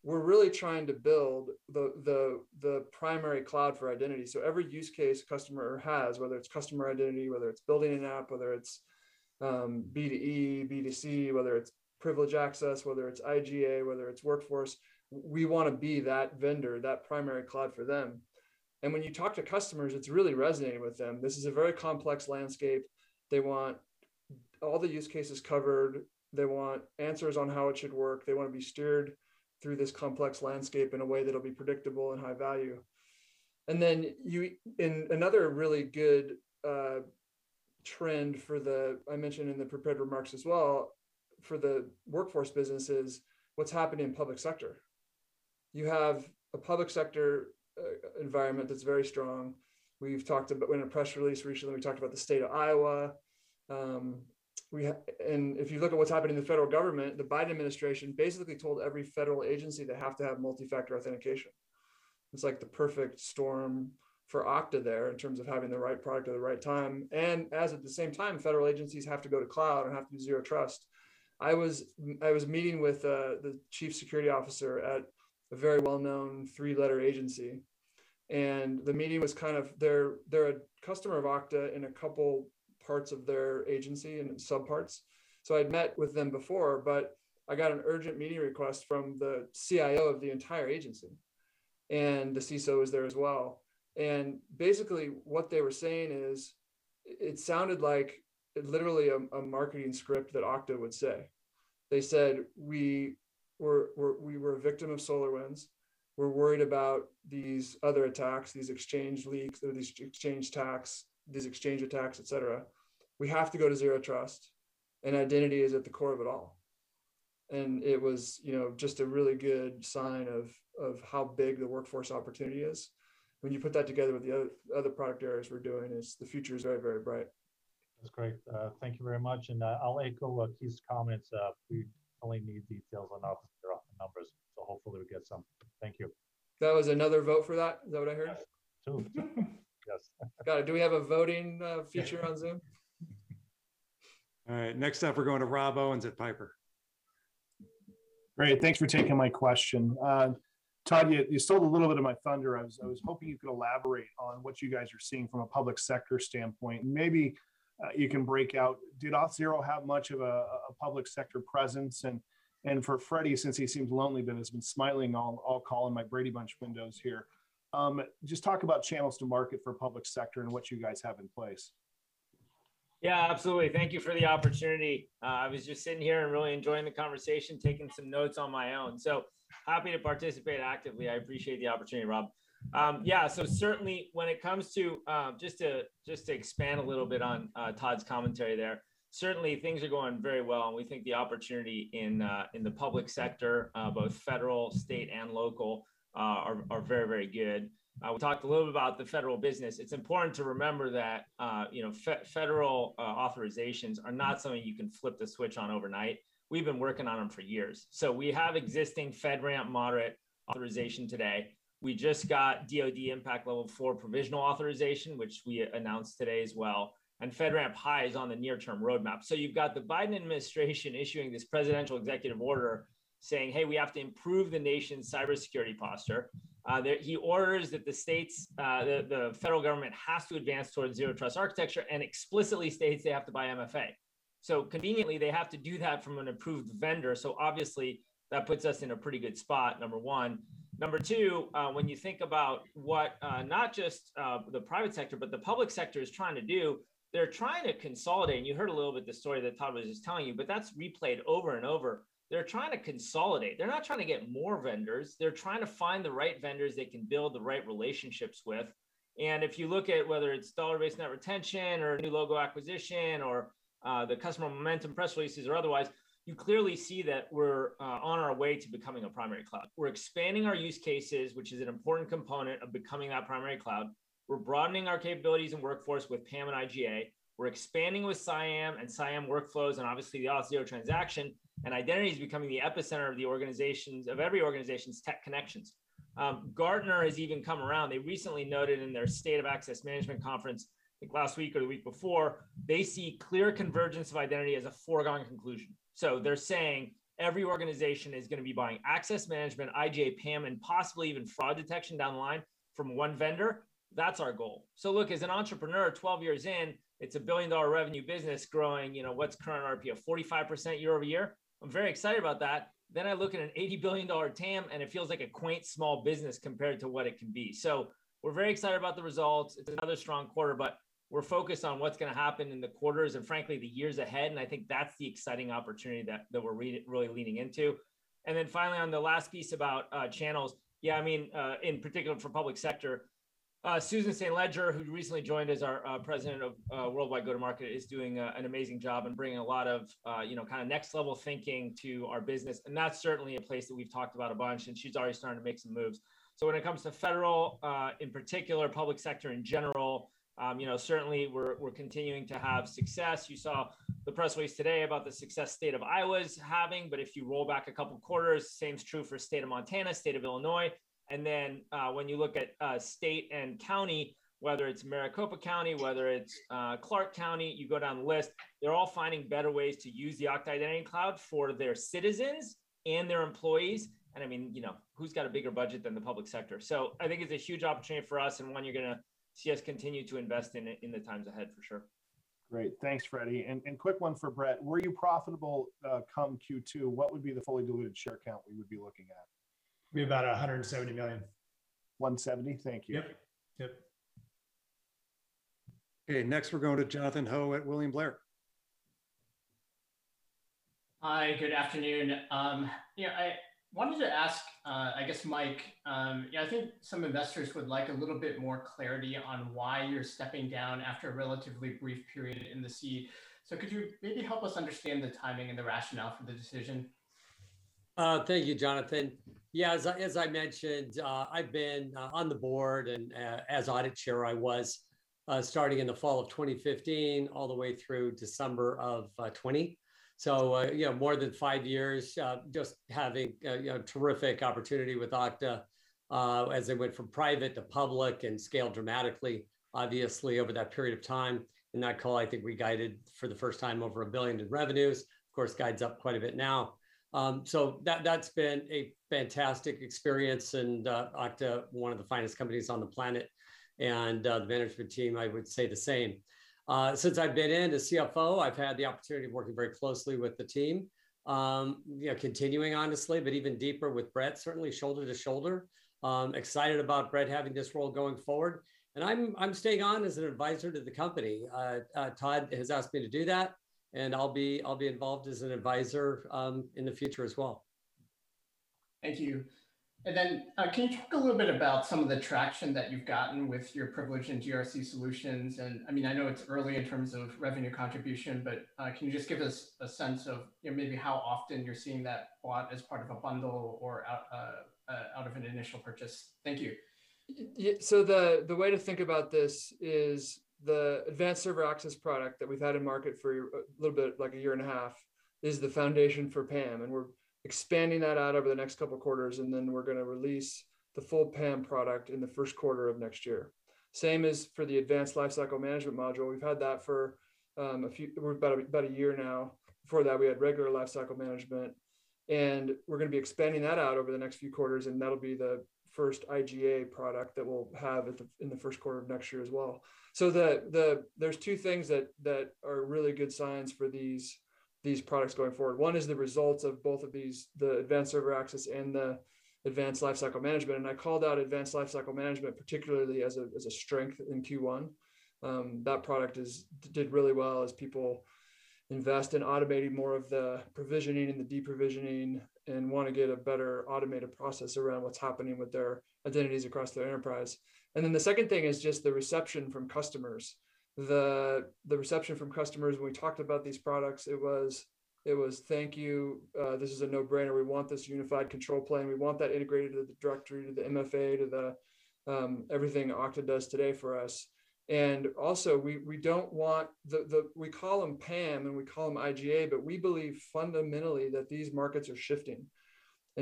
we're really trying to build the primary cloud for identity. Every use case customer has, whether it's customer identity, whether it's building an app, whether it's B2E, B2C, whether it's privileged access, whether it's IGA, whether it's workforce, we want to be that vendor, that primary cloud for them. When you talk to customers, it's really resonating with them. This is a very complex landscape. They want all the use cases covered. They want answers on how it should work. They want to be steered through this complex landscape in a way that'll be predictable and high value. Another really good trend for the, I mentioned in the prepared remarks as well, for the workforce business is what's happening in public sector. You have a public sector environment that's very strong. We did a press release recently where we talked about the state of Iowa. If you look at what's happening in the federal government, the Biden administration basically told every federal agency they have to have multi-factor authentication. It's like the perfect storm for Okta there in terms of having the right product at the right time. As at the same time, federal agencies have to go to cloud and have to do Zero Trust. I was meeting with the Chief Security Officer at a very well-known three-letter agency, and the meeting was kind of, they're a customer of Okta in a couple parts of their agency, in some parts. I'd met with them before, but I got an urgent meeting request from the CIO of the entire agency, and the CISO was there as well. Basically what they were saying is, it sounded like literally a marketing script that Okta would say. They said, "We were a victim of SolarWinds. We're worried about these other attacks, these Exchange leaks, or these Exchange attacks, et cetera. We have to go to Zero Trust, and identity is at the core of it all." It was just a really good sign of how big the workforce opportunity is. When you put that together with the other product areas we're doing is the future is very, very bright. That's great. Thank you very much. I'll echo these comments. We only need details on Auth0 numbers, hopefully we'll get some. Thank you. That was another vote for that? Is that what I hear? Yes. Do we have a voting feature on Zoom? All right, next up we're going to Rob Owens at Piper. Great. Thanks for taking my question. Todd, you stole a little bit of my thunder as I was hoping you could elaborate on what you guys are seeing from a public sector standpoint. Maybe you can break out, did Auth0 have much of a public sector presence? For Freddy, since he seems lonely but has been smiling, I'll call on my Brady Bunch windows here. Just talk about channels to market for public sector and what you guys have in place. Absolutely. Thank you for the opportunity. I was just sitting here and really enjoying the conversation, taking some notes on my own. Happy to participate actively. I appreciate the opportunity, Rob. Certainly when it comes to, just to expand a little bit on Todd's commentary there, certainly things are going very well, and we think the opportunity in the public sector, both federal, state, and local, are very good. We talked a little bit about the federal business. It's important to remember that federal authorizations are not something you can flip the switch on overnight. We've been working on them for years. We have existing FedRAMP Moderate authorization today. We just got DoD Impact Level 4 provisional authorization, which we announced today as well, and FedRAMP High is on the near-term roadmap. You've got the Biden administration issuing this presidential executive order saying, "Hey, we have to improve the nation's cybersecurity posture." He orders that the federal government has to advance towards Zero Trust architecture and explicitly states they have to buy MFA. Conveniently, they have to do that from an approved vendor. Obviously, that puts us in a pretty good spot, number one. Number two, when you think about what, not just the private sector, but the public sector is trying to do, they're trying to consolidate. You heard a little bit the story that Todd was just telling you, but that's replayed over and over. They're trying to consolidate. They're not trying to get more vendors. They're trying to find the right vendors they can build the right relationships with. If you look at whether it's dollar-based net retention or new logo acquisition or the customer momentum press releases or otherwise, you clearly see that we're on our way to becoming a primary cloud. We're expanding our use cases, which is an important component of becoming that primary cloud. We're broadening our capabilities and workforce with PAM and IGA. We're expanding with CIAM and CIAM workflows and obviously the Auth0 transaction. Identity is becoming the epicenter of every organization's tech connections. Gartner has even come around. They recently noted in their State of Access Management Conference, I think last week or the week before, they see clear convergence of identity as a foregone conclusion. They're saying every organization is going to be buying access management, IGA, PAM, and possibly even fraud detection down the line from one vendor. That's our goal. Look, as an entrepreneur, 12 years in, it's a billion-dollar revenue business growing, what's current RP, a 45% year-over-year? I'm very excited about that. I look at an $80 billion TAM, and it feels like a quaint small business compared to what it can be. We're very excited about the results. It's another strong quarter, but we're focused on what's going to happen in the quarters and frankly, the years ahead, and I think that's the exciting opportunity that we're really leaning into. Finally, on the last piece about channels. Yeah, in particular for public sector, Susan St. Ledger, who recently joined as our President of Worldwide Go-to-Market, is doing an amazing job and bringing a lot of next-level thinking to our business, and that's certainly a place that we've talked about a bunch, and she's already starting to make some moves. When it comes to Federal, in particular, public sector in general, certainly we're continuing to have success. You saw the press release today about the success State of Iowa is having, if you roll back a couple quarters, same is true for State of Montana, State of Illinois. When you look at state and county, whether it's Maricopa County, whether it's Clark County, you go down the list, they're all finding better ways to use the Okta Identity Cloud for their citizens and their employees. Who's got a bigger budget than the public sector? I think it's a huge opportunity for us and one you're going to see us continue to invest in the times ahead for sure. Great. Thanks, Freddy. Quick one for Brett. Were you profitable come Q2, what would be the fully diluted share count we would be looking at? It'd be about $179 million. $170 million? Thank you. Yep. Okay, next we're going to Jonathan Ho at William Blair. Hi, good afternoon. I wanted to ask, I guess, Mike, I think some investors would like a little bit more clarity on why you're stepping down after a relatively brief period in the seat. Could you maybe help us understand the timing and the rationale for the decision? Thank you, Jonathan. Yeah, as I mentioned, I've been on the Board and as Audit Chair, I was starting in the fall of 2015 all the way through December of 2020. More than five years, just having a terrific opportunity with Okta as they went from private to public and scaled dramatically, obviously, over that period of time. In that call, I think we guided for the first time over $1 billion in revenues. Of course, guide's up quite a bit now. That's been a fantastic experience and Okta, one of the finest companies on the planet, and the management team, I would say the same. Since I've been in as CFO, I've had the opportunity of working very closely with the team. Continuing, honestly, even deeper with Brett, certainly shoulder to shoulder. Excited about Brett having this role going forward. I'm staying on as an advisor to the company. Todd has asked me to do that, and I'll be involved as an advisor in the future as well. Thank you. Can you talk a little bit about some of the traction that you've gotten with your privilege and GRC solutions? I know it's early in terms of revenue contribution, but can you just give us a sense of maybe how often you're seeing that bought as part of a bundle or out of an initial purchase? Thank you. The way to think about this is the Advanced Server Access product that we've had in market for a little bit, like a year and a half, is the foundation for PAM, and we're expanding that out over the next couple of quarters, and then we're going to release the full PAM product in the first quarter of next year. Same as for the Advanced Lifecycle Management module. We've had that for about a year now. Before that, we had regular Lifecycle Management, and we're going to be expanding that out over the next few quarters, and that'll be the first IGA product that we'll have in the first quarter of next year as well. There's two things that are really good signs for these products going forward. One is the results of both of these, the Advanced Server Access and the Advanced Lifecycle Management. I called out Advanced Lifecycle Management particularly as a strength in Q1. That product did really well as people invest in automating more of the provisioning and the deprovisioning and want to get a better automated process around what's happening with their identities across their enterprise. The second thing is just the reception from customers. The reception from customers when we talked about these products, it was, "Thank you. This is a no-brainer. We want this unified control plane. We want that integrated to the directory, to the MFA, to everything Okta does today for us." Also, we call them PAM, and we call them IGA, but we believe fundamentally that these markets are shifting.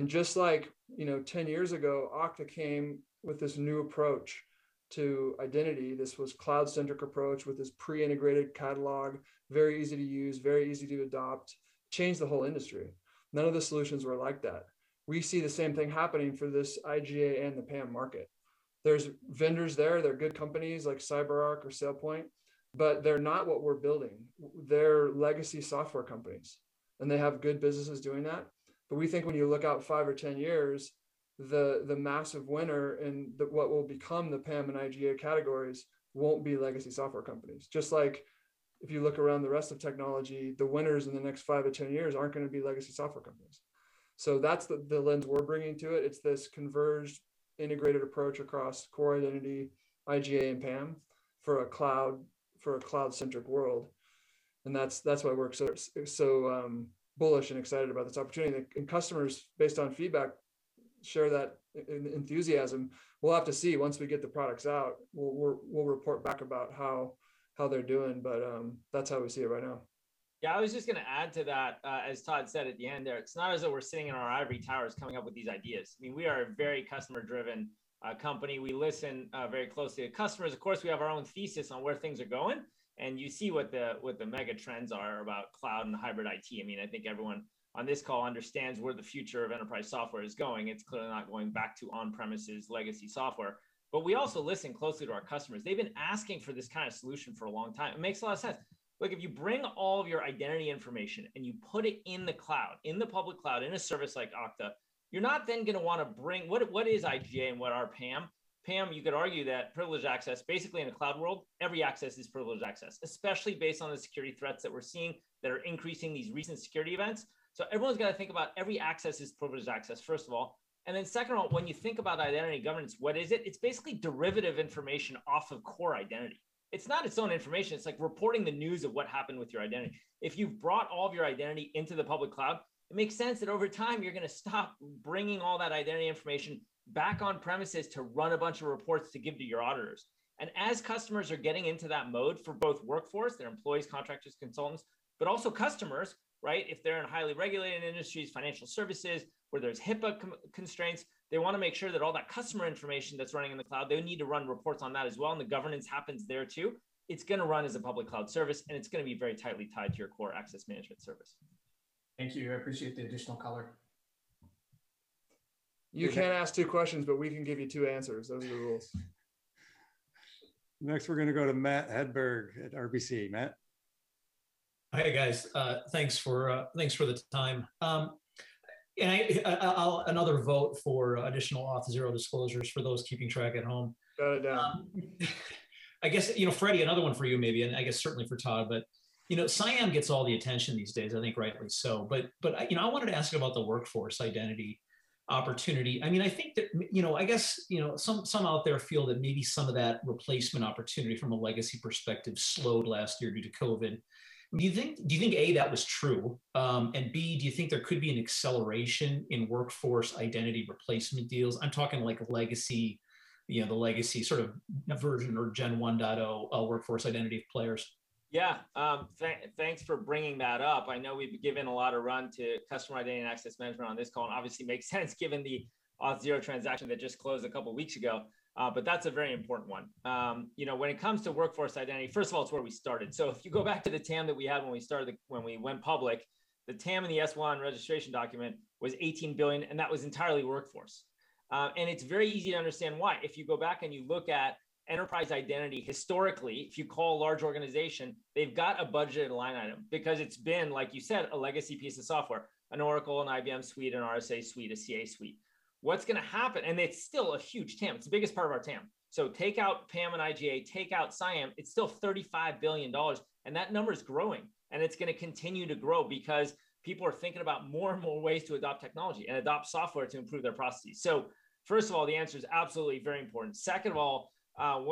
Just like 10 years ago, Okta came with this new approach to identity. This was cloud-centric approach with this pre-integrated catalog, very easy to use, very easy to adopt, changed the whole industry. None of the solutions were like that. We see the same thing happening for this IGA and the PAM market. There's vendors there. They're good companies like CyberArk or SailPoint, but they're not what we're building. They're legacy software companies, and they have good businesses doing that. We think when you look out five or 10 years, the massive winner in what will become the PAM and IGA categories won't be legacy software companies. Just like if you look around the rest of technology, the winners in the next 5-10 years aren't going to be legacy software companies. That's the lens we're bringing to it. It's this converged, integrated approach across core identity, IGA, and PAM for a cloud-centric world. That's why we're so bullish and excited about this opportunity. Customers, based on feedback, share that enthusiasm. We'll have to see once we get the products out. We'll report back about how they're doing, but that's how we see it right now. Yeah, I was just going to add to that, as Todd McKinnon said at the end there, it's not as though we're sitting in our ivory towers coming up with these ideas. We are a very customer-driven company. We listen very closely to customers. We have our own thesis on where things are going, and you see what the mega trends are about cloud and hybrid IT. I think everyone on this call understands where the future of enterprise software is going. It's clearly not going back to on-premises legacy software. We also listen closely to our customers. They've been asking for this kind of solution for a long time. It makes a lot of sense. If you bring all of your identity information and you put it in the cloud, in the public cloud, in a service like Okta, you're not then going to want to bring. What is IGA and what are PAM? PAM, you could argue that privileged access, basically in a cloud world, every access is privileged access, especially based on the security threats that we're seeing that are increasing, these recent security events. Everyone's got to think about every access is privileged access, first of all. Second of all, when you think about identity governance, what is it? It's basically derivative information off of core identity. It's not its own information. It's like reporting the news of what happened with your identity. If you've brought all of your identity into the public cloud, it makes sense that over time, you're going to stop bringing all that identity information back on premises to run a bunch of reports to give to your auditors. As customers are getting into that mode for both workforce, their employees, contractors, consultants, but also customers. If they're in highly regulated industries, financial services, where there's HIPAA constraints, they want to make sure that all that customer information that's running in the cloud, they need to run reports on that as well, and the governance happens there too. It's going to run as a public cloud service, and it's going to be very tightly tied to your core access management service. Thank you. I appreciate the additional color. You can ask two questions, but we can give you two answers. Those are the rules. Next, we're going to go to Matt Hedberg at RBC. Matt. Hi, guys. Thanks for the time. Another vote for additional Auth0 disclosures for those keeping track at home. Note down. I guess, Freddy, another one for you, maybe, and I guess certainly for Todd, but CIAM gets all the attention these days, I think rightly so. I wanted to ask about the Workforce Identity opportunity. I guess, some out there feel that maybe some of that replacement opportunity from a legacy perspective slowed last year due to COVID. Do you think, A, that was true, and B, do you think there could be an acceleration in Workforce Identity replacement deals? I'm talking like a legacy version or Gen 1.0 Workforce Identity players. Thanks for bringing that up. I know we've given a lot of run to Customer Identity and Access Management on this call, and obviously it makes sense given the Auth0 transaction that just closed two weeks ago. That's a very important one. When it comes to Workforce Identity, first of all, it's where we started. If you go back to the TAM that we had when we went public, the TAM in the S1 registration document was $18 billion, and that was entirely workforce. It's very easy to understand why. If you go back and you look at enterprise identity historically, if you call a large organization, they've got a budget and a line item because it's been, like you said, a legacy piece of software, an Oracle, an IBM suite, an RSA suite, a CA suite. What's going to happen? It's still a huge TAM. It's the biggest part of our TAM. Take out PAM and IGA, take out CIAM, it's still $35 billion, and that number is growing, and it's going to continue to grow because people are thinking about more and more ways to adopt technology and adopt software to improve their processes. First of all, the answer is absolutely very important. Second of all,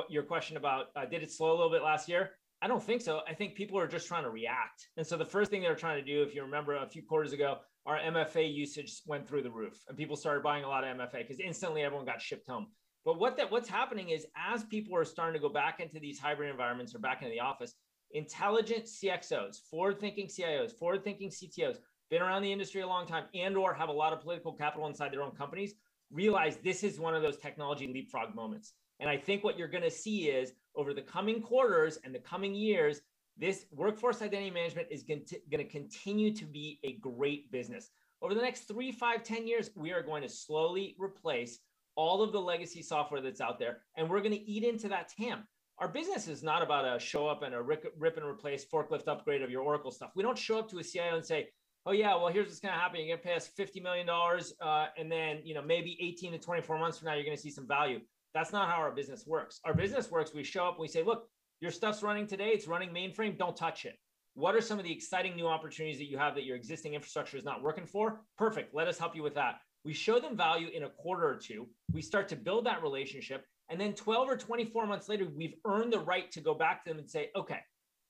your question about did it slow a little bit last year? I don't think so. I think people are just trying to react. The first thing they're trying to do, if you remember a few quarters ago, our MFA usage went through the roof, and people started buying a lot of MFA because instantly everyone got shipped home. What's happening is as people are starting to go back into these hybrid environments or back in the office, intelligent CXOs, forward-thinking CIOs, forward-thinking CTOs, been around the industry a long time, and/or have a lot of political capital inside their own companies, realize this is one of those technology leapfrog moments. I think what you're going to see is over the coming quarters and the coming years, this Workforce Identity management is going to continue to be a great business. Over the next three, five, 10 years, we are going to slowly replace all of the legacy software that's out there, and we're going to eat into that TAM. Our business is not about a show up and a rip and replace forklift upgrade of your Oracle stuff. We don't show up to a CIO and say, "Oh, yeah, well, here's what's going to happen. You're going to pay us $50 million, and then maybe 18-24 months from now, you're going to see some value." That's not how our business works. Our business works, we show up, we say, "Look, your stuff's running today. It's running mainframe. Don't touch it. What are some of the exciting new opportunities that you have that your existing infrastructure is not working for? Perfect. Let us help you with that." We show them value in a quarter or two. We start to build that relationship, and then 12 or 24 months later, we've earned the right to go back to them and say, "Okay,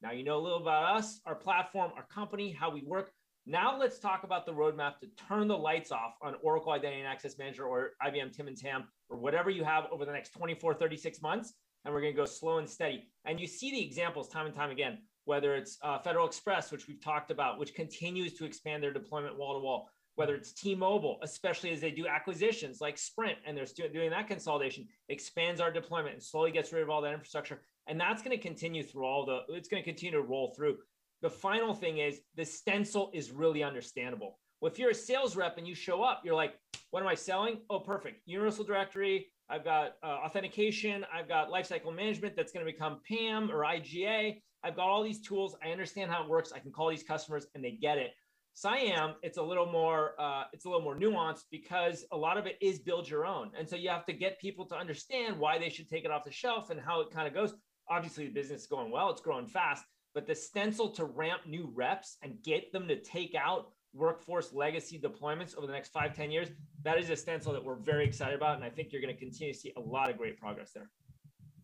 now you know a little about us, our platform, our company, how we work. Now let's talk about the roadmap to turn the lights off on Oracle Identity Manager or IBM TIM and TAM or whatever you have over the next 24, 36 months, and we're going to go slow and steady. You see the examples time and time again, whether it's Federal Express, which we talked about, which continues to expand their deployment wall to wall. Whether it's T-Mobile, especially as they do acquisitions like Sprint, and they're still doing that consolidation, expands our deployment and slowly gets rid of all that infrastructure. That's going to continue to roll through. The final thing is the stencil is really understandable. Well, if you're a sales rep and you show up, you're like, "What am I selling? Oh, perfect. Universal Directory. I've got authentication. I've got Lifecycle Management that's going to become PAM or IGA. I've got all these tools. I understand how it works. I can call these customers, and they get it." CIAM, it's a little more nuanced because a lot of it is build your own. You have to get people to understand why they should take it off the shelf and how it goes. Obviously, the business is going well. It's growing fast. The stencil to ramp new reps and get them to take out workforce legacy deployments over the next five, 10 years, that is a stencil that we're very excited about, and I think you're going to continue to see a lot of great progress there.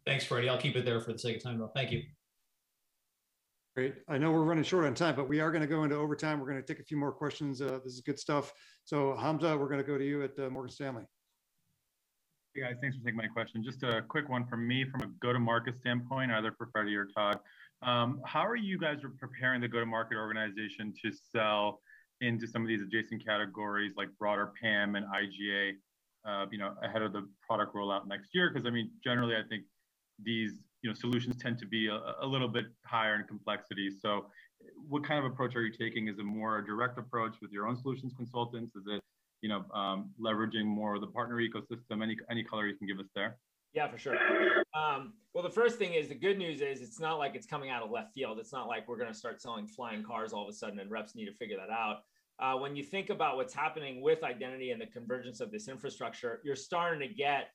Thanks, Freddy. I'll keep it there for the sake of time, though. Thank you. Great. I know we're running short on time, we are going to go into overtime. We're going to take a few more questions. This is good stuff. Hamza, we're going to go to you at Morgan Stanley. Yeah, thanks for taking my question. Just a quick one from me from a go-to-market standpoint, either for Freddy or you Todd. How are you guys preparing the go-to-market organization to sell into some of these adjacent categories like broader PAM and IGA ahead of the product rollout next year? Because generally, I think these solutions tend to be a little bit higher in complexity. What kind of approach are you taking? Is it more a direct approach with your own solutions consultants? Is it leveraging more of the partner ecosystem? Any color you can give us there? Yeah, for sure. Well, the first thing is the good news is it's not like it's coming out of left field. It's not like we're going to start selling flying cars all of a sudden and reps need to figure that out. When you think about what's happening with identity and the convergence of this infrastructure, you're starting to get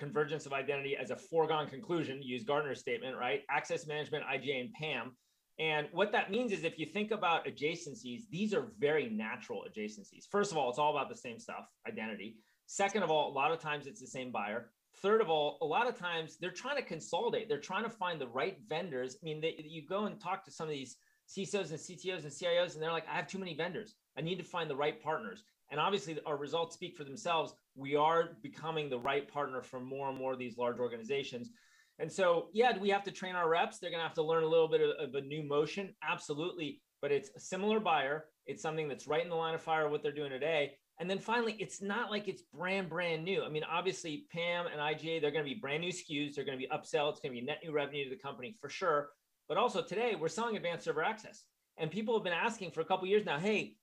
convergence of identity as a foregone conclusion. To use Gartner's statement, access management, IGA, and PAM. What that means is if you think about adjacencies, these are very natural adjacencies. First of all, it's all about the same stuff, identity. Second of all, a lot of times it's the same buyer. Third of all, a lot of times they're trying to consolidate. They're trying to find the right vendors. You go and talk to some of these CISOs and CTOs and CIOs, they're like, "I have too many vendors. I need to find the right partners." Obviously, our results speak for themselves. We are becoming the right partner for more and more of these large organizations. Yeah, do we have to train our reps? They're going to have to learn a little bit of a new motion. Absolutely. It's a similar buyer. It's something that's right in the line of fire of what they're doing today. Finally, it's not like it's brand new. Obviously PAM and IGA, they're going to be brand new SKUs. They're going to be upsells. They're going to be net new revenue to the company for sure. Also today, we're selling Advanced Server Access. People have been asking for a couple years now, "Hey,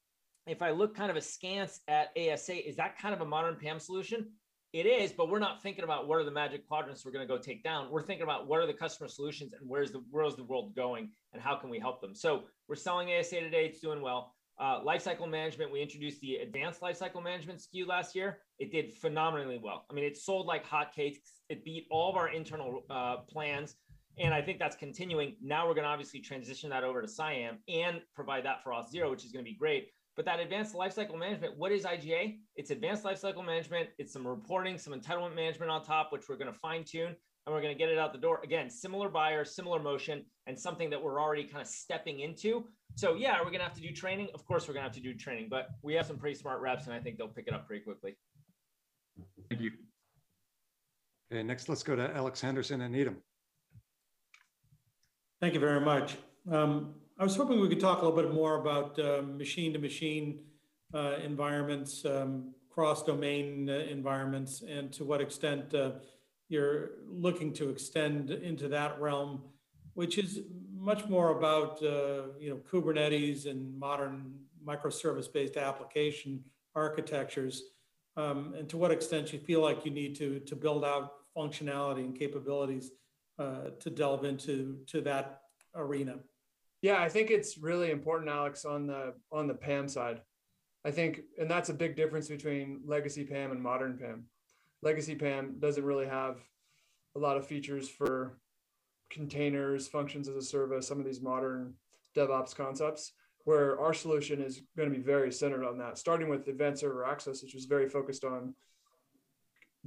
if I look kind of askance at ASA, is that kind of a modern PAM solution?" It is, we're not thinking about what are the Magic Quadrants we're going to go take down. We're thinking about what are the customer solutions and where's the world going, and how can we help them? We're selling ASA today. It's doing well. Lifecycle Management, we introduced the Advanced Lifecycle Management SKU last year. It did phenomenally well. It sold like hotcakes. It beat all of our internal plans, and I think that's continuing. Now we're going to obviously transition that over to CIAM and provide that for Auth0, which is going to be great. That Advanced Lifecycle Management, what is IGA? It's Advanced Lifecycle Management. It's some reporting, some entitlement management on top, which we're going to fine-tune, and we're going to get it out the door. Again, similar buyers, similar motion, and something that we're already kind of stepping into. Yeah, are we going to have to do training? Of course, we're going to have to do training, but we have some pretty smart reps, and I think they'll pick it up pretty quickly. Thank you. Next let's go to Alex Henderson at Needham. Thank you very much. I was hoping we could talk a little bit more about machine-to-machine environments, cross-domain environments, and to what extent you're looking to extend into that realm, which is much more about Kubernetes and modern microservice-based application architectures, and to what extent you feel like you need to build out functionality and capabilities to delve into that arena. Yeah, I think it's really important, Alex, on the PAM side. That's a big difference between legacy PAM and modern PAM. Legacy PAM doesn't really have a lot of features for containers, functions as a service, some of these modern DevOps concepts, where our solution is going to be very centered on that, starting with Advanced Server Access, which is very focused on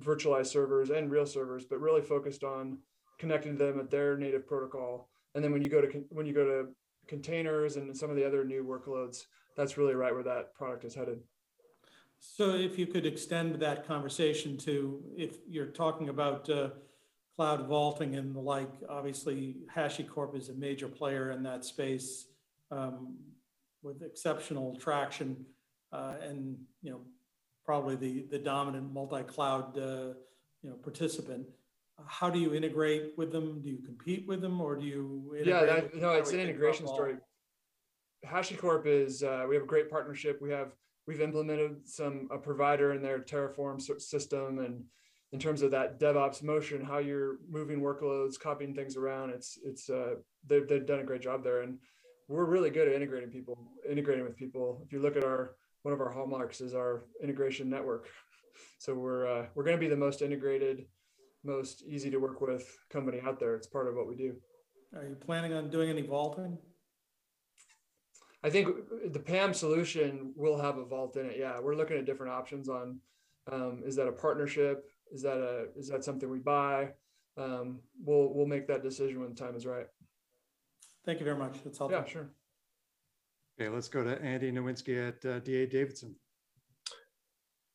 virtualized servers and real servers, but really focused on connecting them at their native protocol. When you go to containers and some of the other new workloads, that's really right where that product is headed. If you could extend that conversation to if you're talking about cloud vaulting and the like, obviously HashiCorp is a major player in that space with exceptional traction, and probably the dominant multi-cloud participant. How do you integrate with them? Do you compete with them, or do you integrate with them at all? No, it's an integration story. HashiCorp. We have a great partnership. We've implemented a provider in their Terraform system, and in terms of that DevOps motion, how you're moving workloads, copying things around, they've done a great job there, and we're really good at integrating with people. If you look at our. One of our hallmarks is our integration network. We're going to be the most integrated, most easy to work with company out there. It's part of what we do. Are you planning on doing any vaulting? I think the PAM solution will have a vault in it, yeah. We're looking at different options on is that a partnership? Is that something we buy? We'll make that decision when the time is right. Thank you very much. That's all for now. Yeah, sure. Okay, let's go to Andy Nowinski at D.A. Davidson.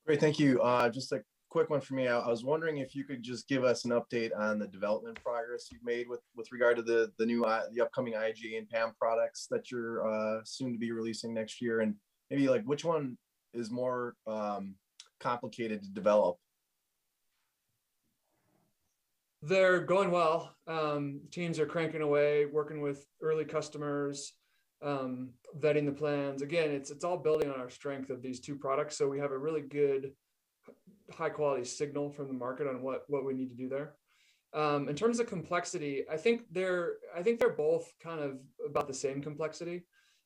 Great. Thank you. Just a quick one from me. I was wondering if you could just give us an update on the development progress you've made with regard to the upcoming IGA and PAM products that you're soon to be releasing next year? Maybe which one is more complicated to develop? They're going well. Teams are cranking away, working with early customers, vetting the plans. Again, it's all building on our strength of these two products. We have a really good, high-quality signal from the market on what we need to do there. In terms of complexity, I think they're both about the same complexity.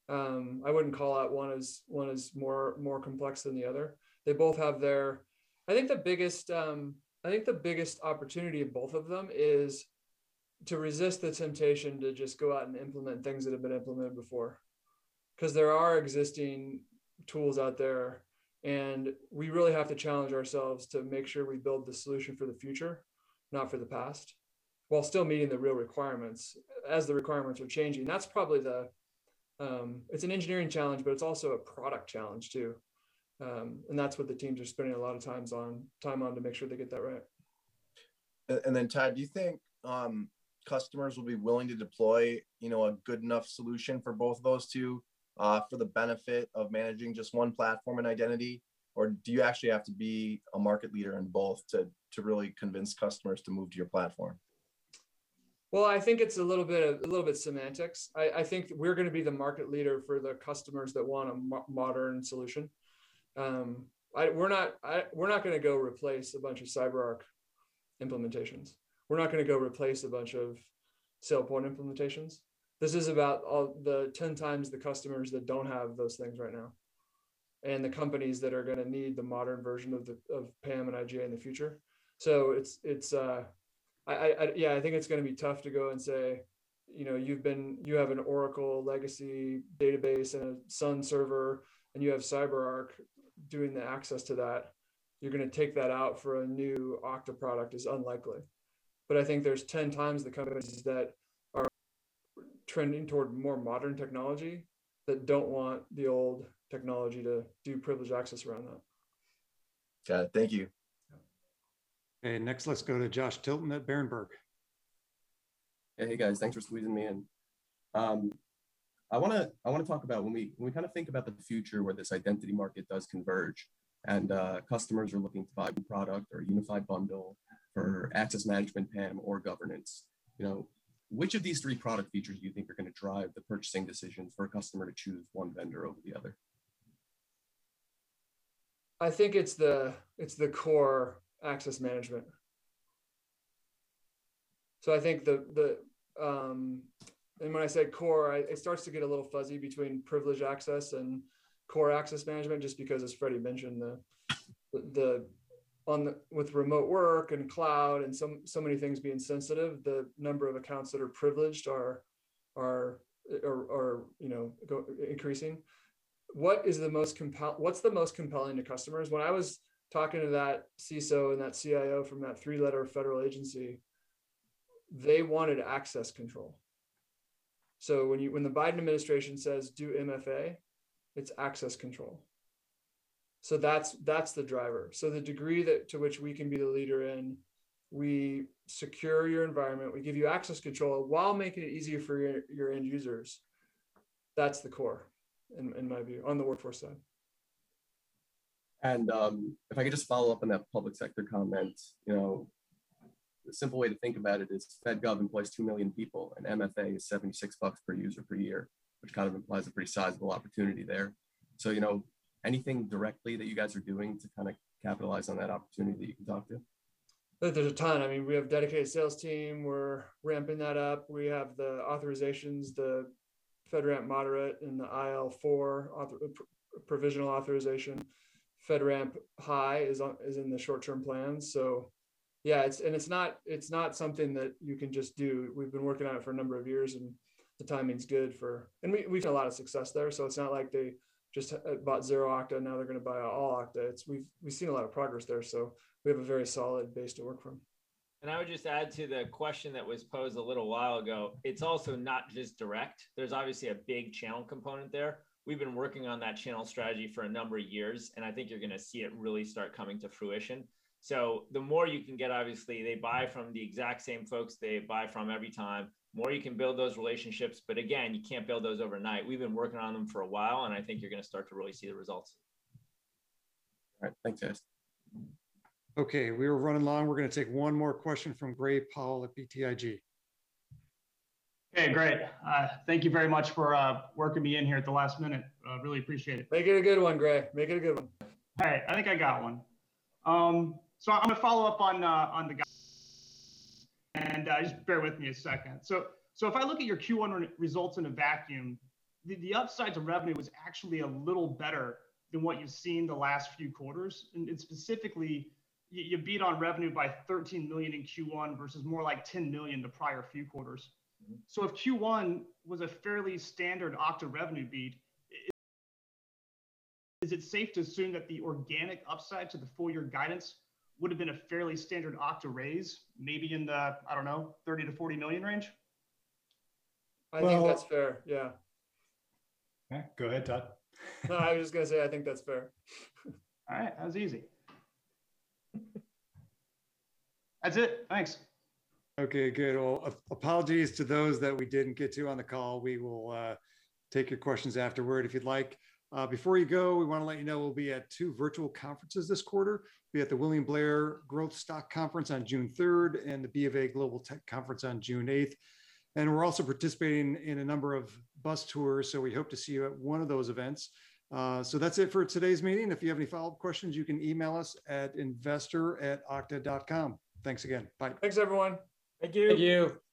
I wouldn't call out one as more complex than the other. I think the biggest opportunity of both of them is to resist the temptation to just go out and implement things that have been implemented before. There are existing tools out there, and we really have to challenge ourselves to make sure we build the solution for the future, not for the past, while still meeting the real requirements as the requirements are changing. It's an engineering challenge, but it's also a product challenge, too. That's what the team's just spending a lot of time on, to make sure they get that right. Todd, do you think customers will be willing to deploy a good enough solution for both those two for the benefit of managing just one platform and identity, or do you actually have to be a market leader in both to really convince customers to move to your platform? Well, I think it's a little bit of semantics. I think we're going to be the market leader for the customers that want a modern solution. We're not going to go replace a bunch of CyberArk implementations. We're not going to go replace a bunch of SailPoint implementations. This is about the 10 times the customers that don't have those things right now, and the companies that are going to need the modern version of PAM and IGA in the future. Yeah, I think it's going to be tough to go and say, "You have an Oracle legacy database and a Sun server, and you have CyberArk doing the access to that. You're going to take that out for a new Okta product" is unlikely. I think there's 10 times the companies that are trending toward more modern technology that don't want the old technology to do privileged access right now. Todd, thank you. Okay, next, let's go to Josh Tilton at Berenberg. Hey, guys. Thanks for squeezing me in. I want to talk about when we think about the future where this identity market does converge and customers are looking for a new product or unified bundle for access management, PAM, or governance. Which of these three product features do you think are going to drive the purchasing decisions for a customer to choose one vendor over the other? I think it's the core access management. When I say core, it starts to get a little fuzzy between privileged access and core access management, just because, as Freddy mentioned, with remote work and cloud and so many things being sensitive, the number of accounts that are privileged are increasing. What's the most compelling to customers? When I was talking to that CISO and that CIO from that three-letter federal agency, they wanted access control. When the Biden administration says, do MFA, it's access control. That's the driver. The degree to which we can be the leader in, we secure your environment, we give you access control while making it easier for your end users, that's the core in my view on the workforce side. If I could just follow up on that public sector comment. A simple way to think about it is the Fed government employs 2 million people, and MFA is $76 per user per year, which implies a pretty sizable opportunity there. Anything directly that you guys are doing to capitalize on that opportunity that you can talk to? There's a ton. We have a dedicated sales team. We're ramping that up. We have the authorizations, the FedRAMP moderate, and the IL4 provisional authorization. FedRAMP High is in the short-term plans. Yeah, it's not something that you can just do. We've been working on it for a number of years, and the timing's good. We've had a lot of success there, it's not like they just bought Auth0, now they're going to buy all Okta. We've seen a lot of progress there, we have a very solid base to work from. I would just add to the question that was posed a little while ago, it's also not just direct. There's obviously a big channel component there. We've been working on that channel strategy for a number of years, and I think you're going to see it really start coming to fruition. The more you can get, obviously, they buy from the exact same folks they buy from every time, the more you can build those relationships. Again, you can't build those overnight. We've been working on them for a while, and I think you're going to start to really see the results. All right. Thanks, guys. Okay, we are running long. We're going to take one more question from Gray Powell at BTIG. Hey, great. Thank you very much for working me in here at the last minute. Really appreciate it. Make it a good one, Gray. Make it a good one. All right, I think I got one. I'm going to follow up. Just bear with me a second. If I look at your Q1 results in a vacuum, the upside to revenue was actually a little better than what you've seen the last few quarters, and specifically, you beat on revenue by $13 million in Q1 versus more like $10 million the prior few quarters. If Q1 was a fairly standard Okta revenue beat, is it safe to assume that the organic upside to the full-year guidance would've been a fairly standard Okta raise, maybe in the, I don't know, $30 million-$40 million range? I think that's fair. Yeah. Go ahead, Todd. No, I was just going to say, I think that's fair. All right. That was easy. That's it. Thanks. Okay, good. Apologies to those that we didn't get to on the call. We will take your questions afterward if you'd like. Before you go, we want to let you know we'll be at two virtual conferences this quarter. We'll be at the William Blair Growth Stock Conference on June 3rd and the BofA Global Tech Conference on June 8th. We're also participating in a number of bus tours. We hope to see you at one of those events. That's it for today's meeting. If you have any follow-up questions, you can email us at investor@okta.com. Thanks again. Bye. Thanks, everyone. Thank you.